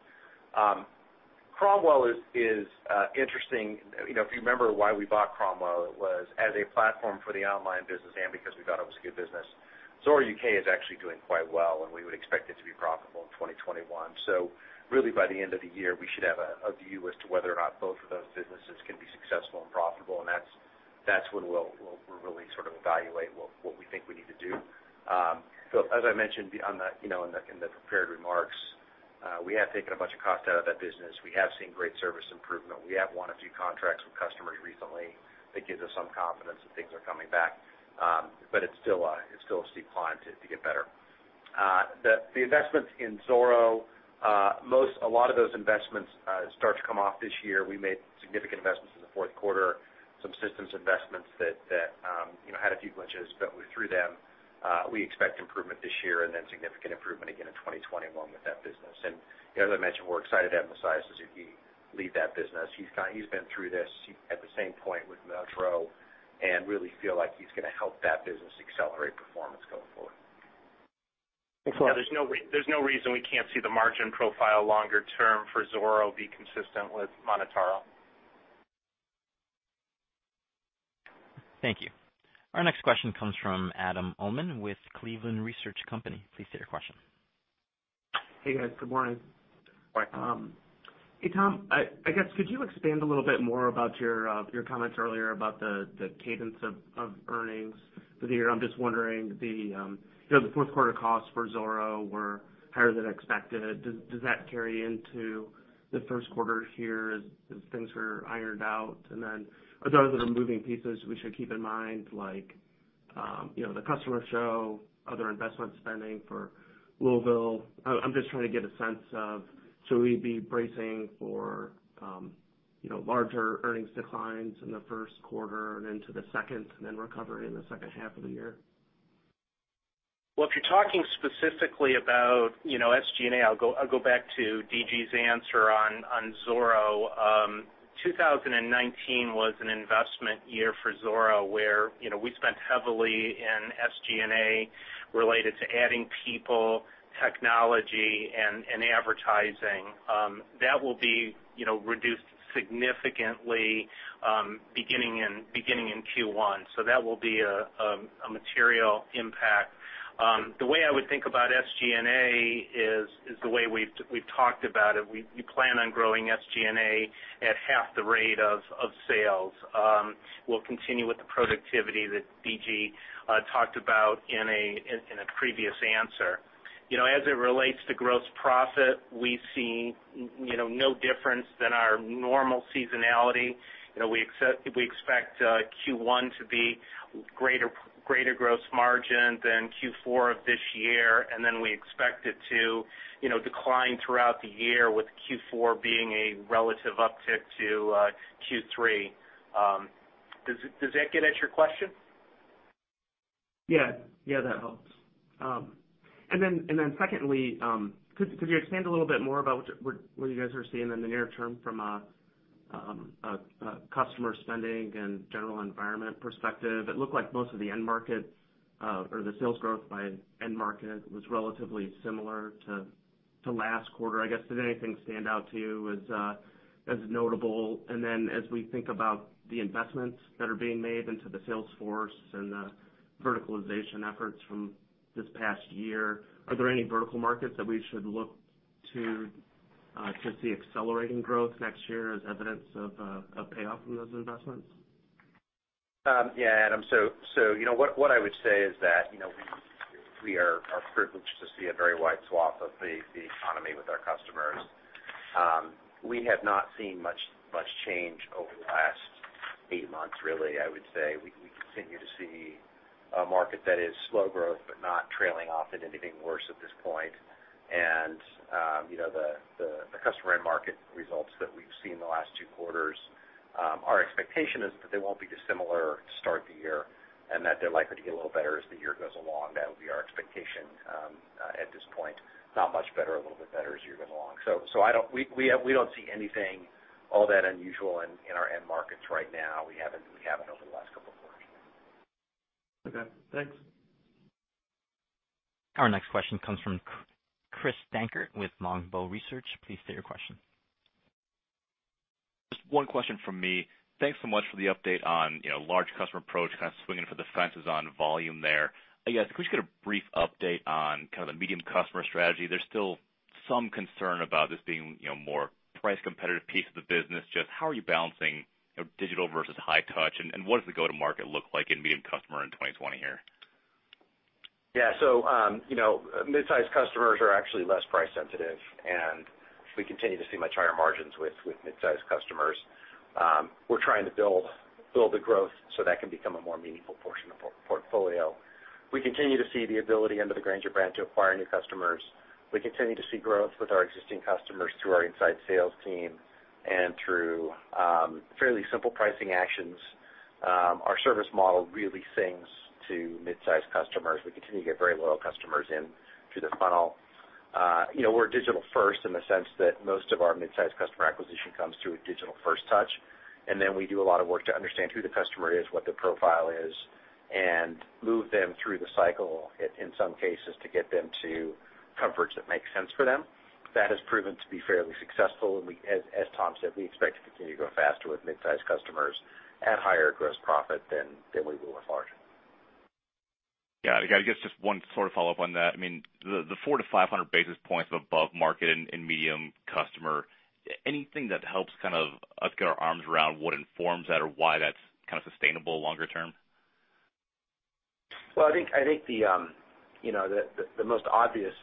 Cromwell is interesting. If you remember why we bought Cromwell, it was as a platform for the online business and because we thought it was a good business. Zoro U.K. is actually doing quite well, and we would expect it to be profitable in 2021. Really by the end of the year, we should have a view as to whether or not both of those businesses can be successful and profitable, and that's when we'll really sort of evaluate what we think we need to do. As I mentioned in the prepared remarks, we have taken a bunch of cost out of that business. We have seen great service improvement. We have won a few contracts with customers recently that gives us some confidence that things are coming back. It's still a steep climb to get better. The investments in Zoro, a lot of those investments start to come off this year. We made significant investments in the fourth quarter. Some systems investments that had a few glitches, but we're through them. We expect improvement this year and then significant improvement again in 2021 with that business. As I mentioned, we're excited to have Masaya as he lead that business. He's been through this at the same point with MonotaRO, and really feel like he's going to help that business accelerate performance going forward. Thanks a lot. There's no reason we can't see the margin profile longer-term for Zoro be consistent with MonotaRO. Thank you. Our next question comes from Adam Uhlman with Cleveland Research Company. Please state your question. Hey, guys. Good morning. Good morning. Hey, Tom. I guess could you expand a little bit more about your comments earlier about the cadence of earnings for the year? I'm just wondering, the fourth quarter costs for Zoro were higher than expected. Does that carry into the first quarter here as things were ironed out? Are those other moving pieces we should keep in mind like the customer show, other investment spending for Louisville? I'm just trying to get a sense of, should we be bracing for larger earnings declines in the first quarter and then to the second, and then recovery in the second half of the year? Well, if you're talking specifically about SG&A, I'll go back to D.G.'s answer on Zoro. 2019 was an investment year for Zoro, where we spent heavily in SG&A related to adding people, technology, and advertising. That will be reduced significantly beginning in Q1. That will be a material impact. The way I would think about SG&A is the way we've talked about it. We plan on growing SG&A at half the rate of sales. We'll continue with the productivity that D.G. talked about in a previous answer. As it relates to gross profit, we see no difference than our normal seasonality. We expect Q1 to be greater gross margin than Q4 of this year, and then we expect it to decline throughout the year with Q4 being a relative uptick to Q3. Does that get at your question? Yeah. That helps. Secondly, could you expand a little bit more about what you guys are seeing in the near-term from a customer spending and general environment perspective? It looked like most of the end market or the sales growth by end market was relatively similar to last quarter. I guess, did anything stand out to you as notable? As we think about the investments that are being made into the sales force and the verticalization efforts from this past year, are there any vertical markets that we should look to see accelerating growth next year as evidence of payoff from those investments? Adam, what I would say is that, we are privileged to see a very wide swath of the economy with our customers. We have not seen much change over the last eight months, really. I would say we continue to see a market that is slow growth but not trailing off at anything worse at this point. The customer end market results that we've seen the last two quarters, our expectation is that they won't be dissimilar to start the year, and that they're likely to get a little better as the year goes along. That'll be our expectation at this point. Not much better, a little bit better as the year goes along. We don't see anything all that unusual in our end markets right now. We haven't over the last couple of quarters. Okay, thanks. Our next question comes from Chris Dankert with Longbow Research. Please state your question. Just one question from me. Thanks so much for the update on large customer approach, kind of swinging for the fences on volume there. I guess could you get a brief update on kind of the medium customer strategy? There's still some concern about this being more price competitive piece of the business. Just how are you balancing digital versus high touch, and what does the go-to-market look like in medium customer in 2020 here? Mid-size customers are actually less price sensitive, and we continue to see much higher margins with mid-size customers. We're trying to build the growth so that can become a more meaningful portion of our portfolio. We continue to see the ability under the Grainger brand to acquire new customers. We continue to see growth with our existing customers through our inside sales team and through fairly simple pricing actions. Our service model really sings to mid-size customers. We continue to get very loyal customers in through the funnel. We're digital first in the sense that most of our mid-size customer acquisition comes through a digital first touch. We do a lot of work to understand who the customer is, what their profile is, and move them through the cycle in some cases to get them to comforts that make sense for them. That has proven to be fairly successful, and as Tom said, we expect to continue to grow faster with mid-size customers at higher gross profit than we will with large. Got it. I guess just one sort of follow-up on that. The 400 to 500 basis points above market in medium customer, anything that helps kind of us get our arms around what informs that or why that's kind of sustainable longer-term? Well, I think the most obvious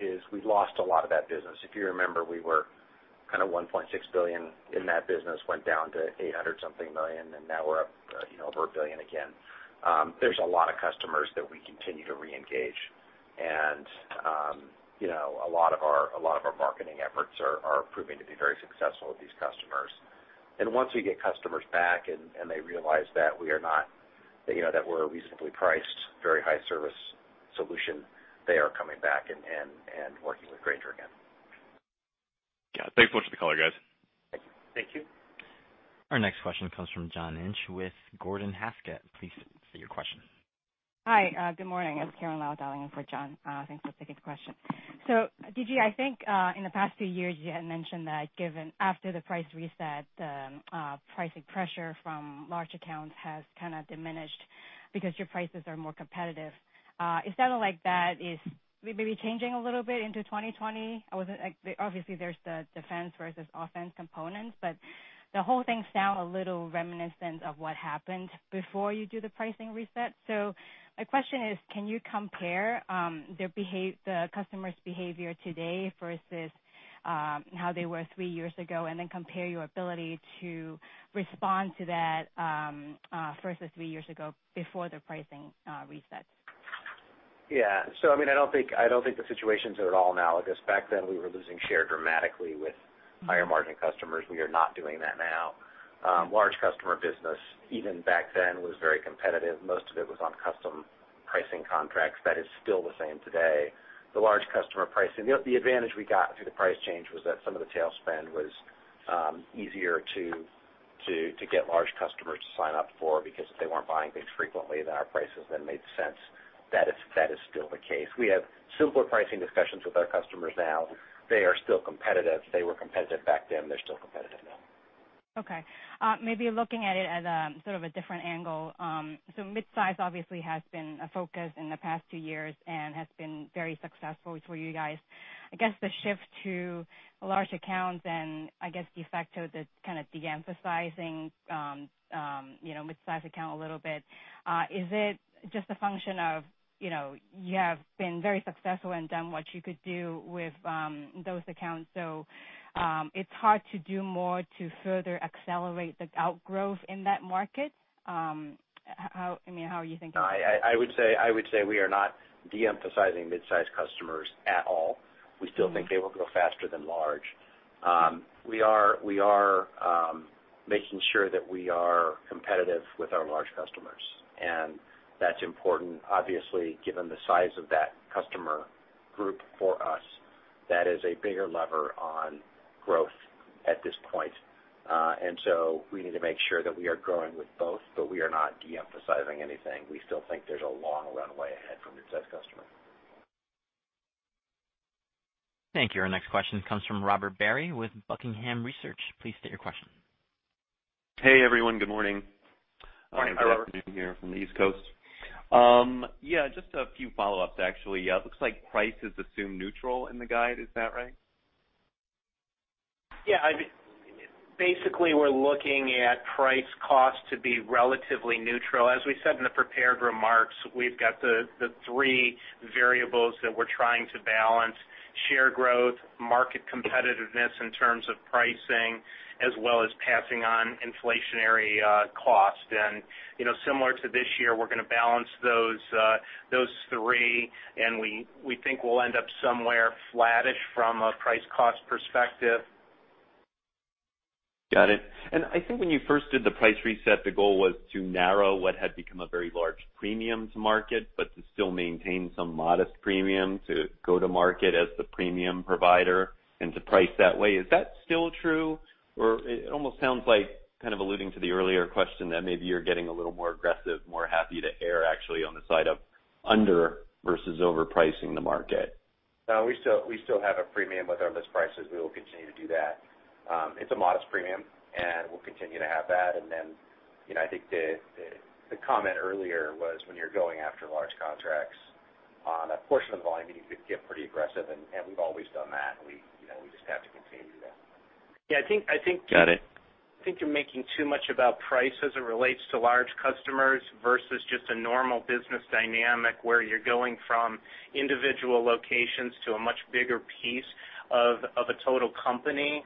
is we lost a lot of that business. If you remember, we were kind of $1.6 billion in that business, went down to $800 something million, and now we're up over $1 billion again. There's a lot of customers that we continue to re-engage. A lot of our marketing efforts are proving to be very successful with these customers. Once we get customers back and they realize that we're reasonably priced, very high service solution, they are coming back and working with Grainger again. Yeah. Thanks much for the color, guys. Thank you. Our next question comes from John Inch with Gordon Haskett. Please state your question. Hi, good morning. It's Karen Lau dialing in for John. Thanks for taking the question. D.G., I think, in the past few years, you had mentioned that given after the price reset, the pricing pressure from large accounts has kind of diminished because your prices are more competitive. It sounded like that is maybe changing a little bit into 2020. Obviously, there's the defense versus offense components, but the whole thing sound a little reminiscent of what happened before you do the pricing reset. My question is, can you compare the customer's behavior today versus how they were three years ago, and then compare your ability to respond to that versus three years ago before the pricing reset? Yeah. I don't think the situations are at all analogous. Back then, we were losing share dramatically with higher margin customers. We are not doing that now. Large customer business, even back then, was very competitive. Most of it was on custom pricing contracts. That is still the same today. The large customer pricing. The advantage we got through the price change was that some of the tail spend was easier to get large customers to sign up for, because if they weren't buying things frequently, then our prices then made sense. That is still the case. We have simpler pricing discussions with our customers now. They are still competitive. They were competitive back then. They're still competitive now. Okay. Maybe looking at it at a sort of a different angle. Mid-size obviously has been a focus in the past two years and has been very successful for you guys. I guess the shift to large accounts and I guess de facto that's kind of de-emphasizing mid-size account a little bit. Is it just a function of, you have been very successful and done what you could do with those accounts, so it's hard to do more to further accelerate the outgrowth in that market? How are you thinking about that? I would say we are not de-emphasizing mid-size customers at all. We still think they will grow faster than large. We are making sure that we are competitive with our large customers, and that's important, obviously, given the size of that customer group for us. That is a bigger lever on growth at this point. We need to make sure that we are growing with both, but we are not de-emphasizing anything. We still think there's a long runway ahead for mid-size customers. Thank you. Our next question comes from Robert Barry with Buckingham Research. Please state your question. Hey everyone. Good morning. Morning. How are you? Afternoon here from the East Coast. Yeah, just a few follow-ups, actually. Looks like price is assumed neutral in the guide. Is that right? Yeah. Basically, we're looking at price cost to be relatively neutral. As we said in the prepared remarks, we've got the three variables that we're trying to balance, share growth, market competitiveness in terms of pricing, as well as passing on inflationary cost. Similar to this year, we're going to balance those three, and we think we'll end up somewhere flattish from a price cost perspective. Got it. I think when you first did the price reset, the goal was to narrow what had become a very large premium to market, but to still maintain some modest premium to go-to-market as the premium provider and to price that way. Is that still true? It almost sounds like kind of alluding to the earlier question, that maybe you're getting a little more aggressive, more happy to err actually on the side of under versus overpricing the market. No, we still have a premium with our list prices. We will continue to do that. It's a modest premium, and we'll continue to have that. I think the comment earlier was when you're going after large contracts on a portion of the volume, you could get pretty aggressive and we've always done that, and we just have to continue to do that. Yeah. Got it. I think you're making too much about price as it relates to large customers versus just a normal business dynamic where you're going from individual locations to a much bigger piece of a total company.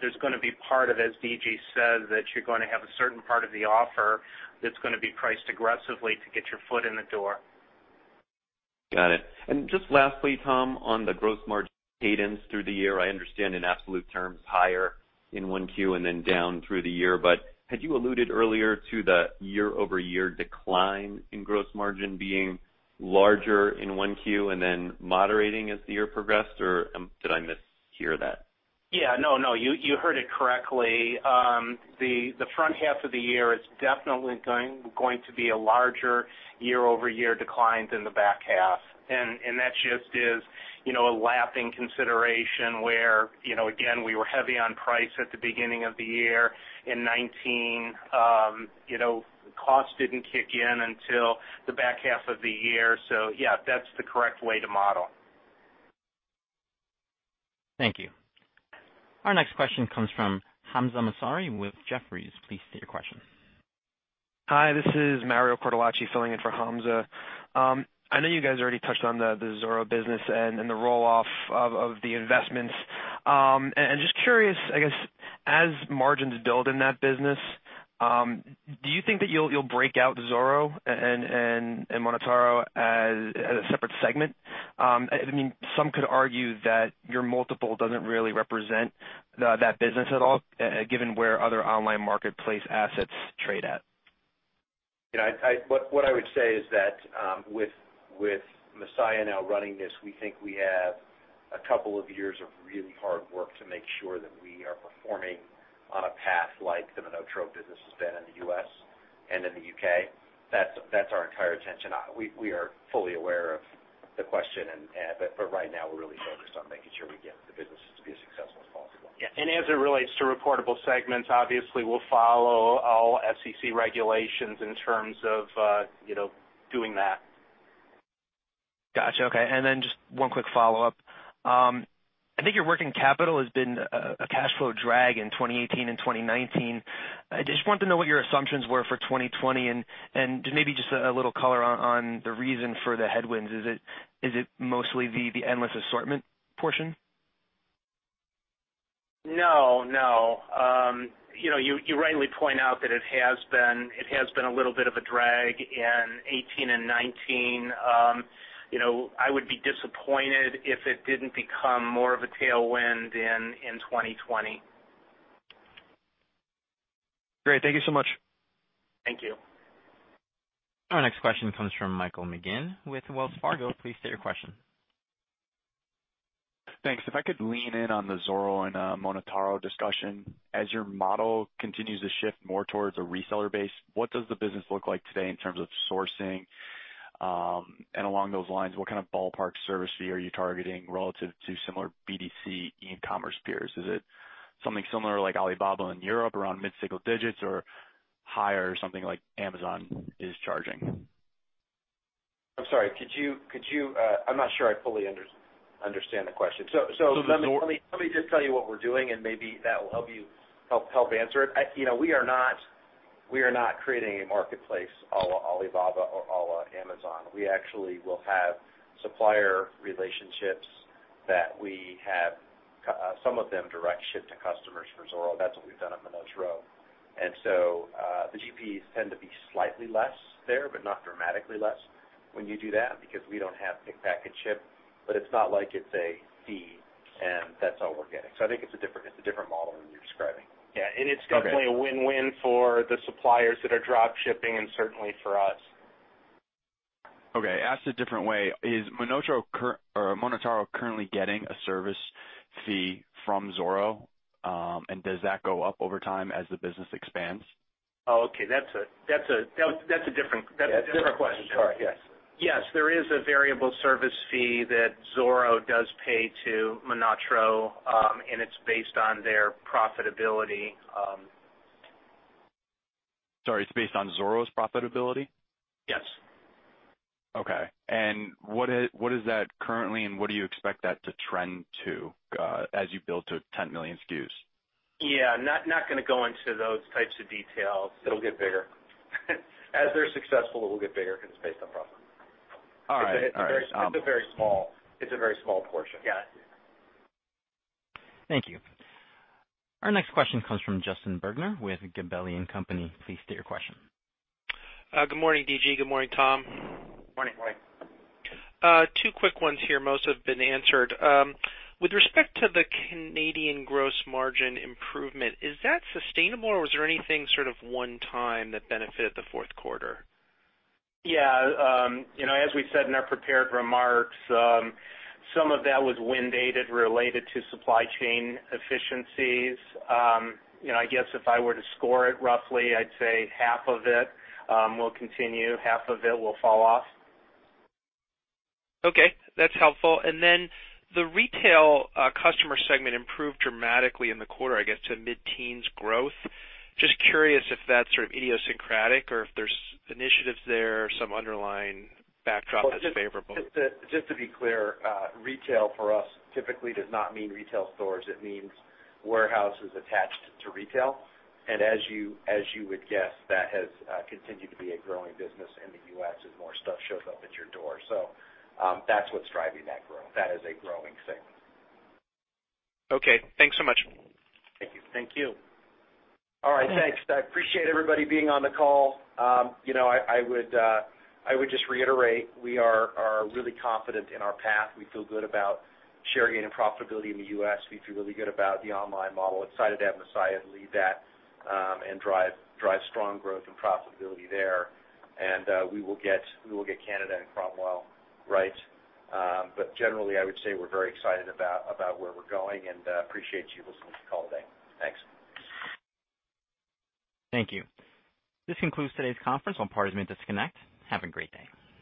There's going to be part of, as D.G. says, that you're going to have a certain part of the offer that's going to be priced aggressively to get your foot in the door. Got it. Just lastly, Tom, on the gross margin cadence through the year, I understand in absolute terms, higher in 1Q and then down through the year, had you alluded earlier to the year-over-year decline in gross margin being larger in 1Q and then moderating as the year progressed, or did I mishear that? No. You heard it correctly. The front half of the year is definitely going to be a larger year-over-year decline than the back half, and that just is a lagging consideration where, again, we were heavy on price at the beginning of the year in 2019. Cost didn't kick in until the back half of the year. That's the correct way to model. Thank you. Our next question comes from Hamza Mazari with Jefferies. Please state your question. Hi, this is Mario Cortellacci filling in for Hamza. I know you guys already touched on the Zoro business and the roll-off of the investments. Just curious, I guess, as margins build in that business, do you think that you'll break out Zoro and MonotaRO as a separate segment? Some could argue that your multiple doesn't really represent that business at all, given where other online marketplace assets trade at. What I would say is that with Masaya now running this, we think we have a couple of years of really hard work to make sure that we are performing on a path like the MonotaRO business has been in the U.S. and in the U.K. That's our entire attention. We are fully aware of the question, but right now, we're really focused on making sure we get the business to be as successful as possible. Yeah. As it relates to reportable segments, obviously we'll follow all SEC regulations in terms of doing that. Got you. Okay. Just one quick follow-up. I think your working capital has been a cash flow drag in 2018 and 2019. I just wanted to know what your assumptions were for 2020 and maybe just a little color on the reason for the headwinds. Is it mostly the Endless Assortment portion? No. You rightly point out that it has been a little bit of a drag in 2018 and 2019. I would be disappointed if it didn't become more of a tailwind in 2020. Great. Thank you so much. Thank you. Our next question comes from Michael McGinn with Wells Fargo. Please state your question. Thanks. If I could lean in on the Zoro and MonotaRO discussion, as your model continues to shift more towards a reseller base, what does the business look like today in terms of sourcing? Along those lines, what kind of ballpark service fee are you targeting relative to similar B2C e-commerce peers? Is it something similar like Alibaba in Europe around mid-single-digits or higher or something like Amazon is charging? I'm sorry. I'm not sure I fully understand the question. Let me just tell you what we're doing, and maybe that will help answer it. We are not creating a marketplace ala Alibaba or ala Amazon. We actually will have supplier relationships that we have some of them direct ship to customers for Zoro. That's what we've done at MonotaRO. The GPs tend to be slightly less there, but not dramatically less when you do that, because we don't have pick, pack, and ship, but it's not like it's a fee and that's all we're getting. I think it's a different model than you're describing. It's definitely a win-win for the suppliers that are drop shipping and certainly for us. Okay. Asked a different way, is MonotaRO currently getting a service fee from Zoro? Does that go up over time as the business expands? Oh, okay. That's a different question. Different question. Sorry. Yes. Yes. There is a variable service fee that Zoro does pay to MonotaRO, and it's based on their profitability. Sorry, it's based on Zoro's profitability? Yes. Okay. What is that currently, and what do you expect that to trend to as you build to 10 million SKUs? Yeah. Not gonna go into those types of details. It'll get bigger. As they're successful, it will get bigger because it's based on profit. All right. It's a very small portion. Yeah. Thank you. Our next question comes from Justin Bergner with Gabelli & Company. Please state your question. Good morning, D.G. Good morning, Tom. Morning. Morning. Two quick ones here, most have been answered. With respect to the Canadian gross margin improvement, is that sustainable, or was there anything sort of one-time that benefited the fourth quarter? Yeah. As we said in our prepared remarks, some of that was one-time related to supply chain efficiencies. I guess if I were to score it roughly, I would say half of it will continue, half of it will fall off. Okay. That's helpful. The retail customer segment improved dramatically in the quarter, I guess, to mid-teens growth. Just curious if that's sort of idiosyncratic or if there's initiatives there or some underlying backdrop that's favorable. Just to be clear, retail for us typically does not mean retail stores. It means warehouses attached to retail. As you would guess, that has continued to be a growing business in the U.S. as more stuff shows up at your door. That's what's driving that growth. That is a growing thing. Okay. Thanks so much. Thank you. Thank you. All right, thanks. I appreciate everybody being on the call. I would just reiterate, we are really confident in our path. We feel good about share gain and profitability in the U.S. We feel really good about the online model, excited to have Masaya lead that and drive strong growth and profitability there. We will get Canada and Cromwell right. Generally, I would say we're very excited about where we're going, and appreciate you listening to the call today. Thanks. Thank you. This concludes today's conference. All parties may disconnect. Have a great day.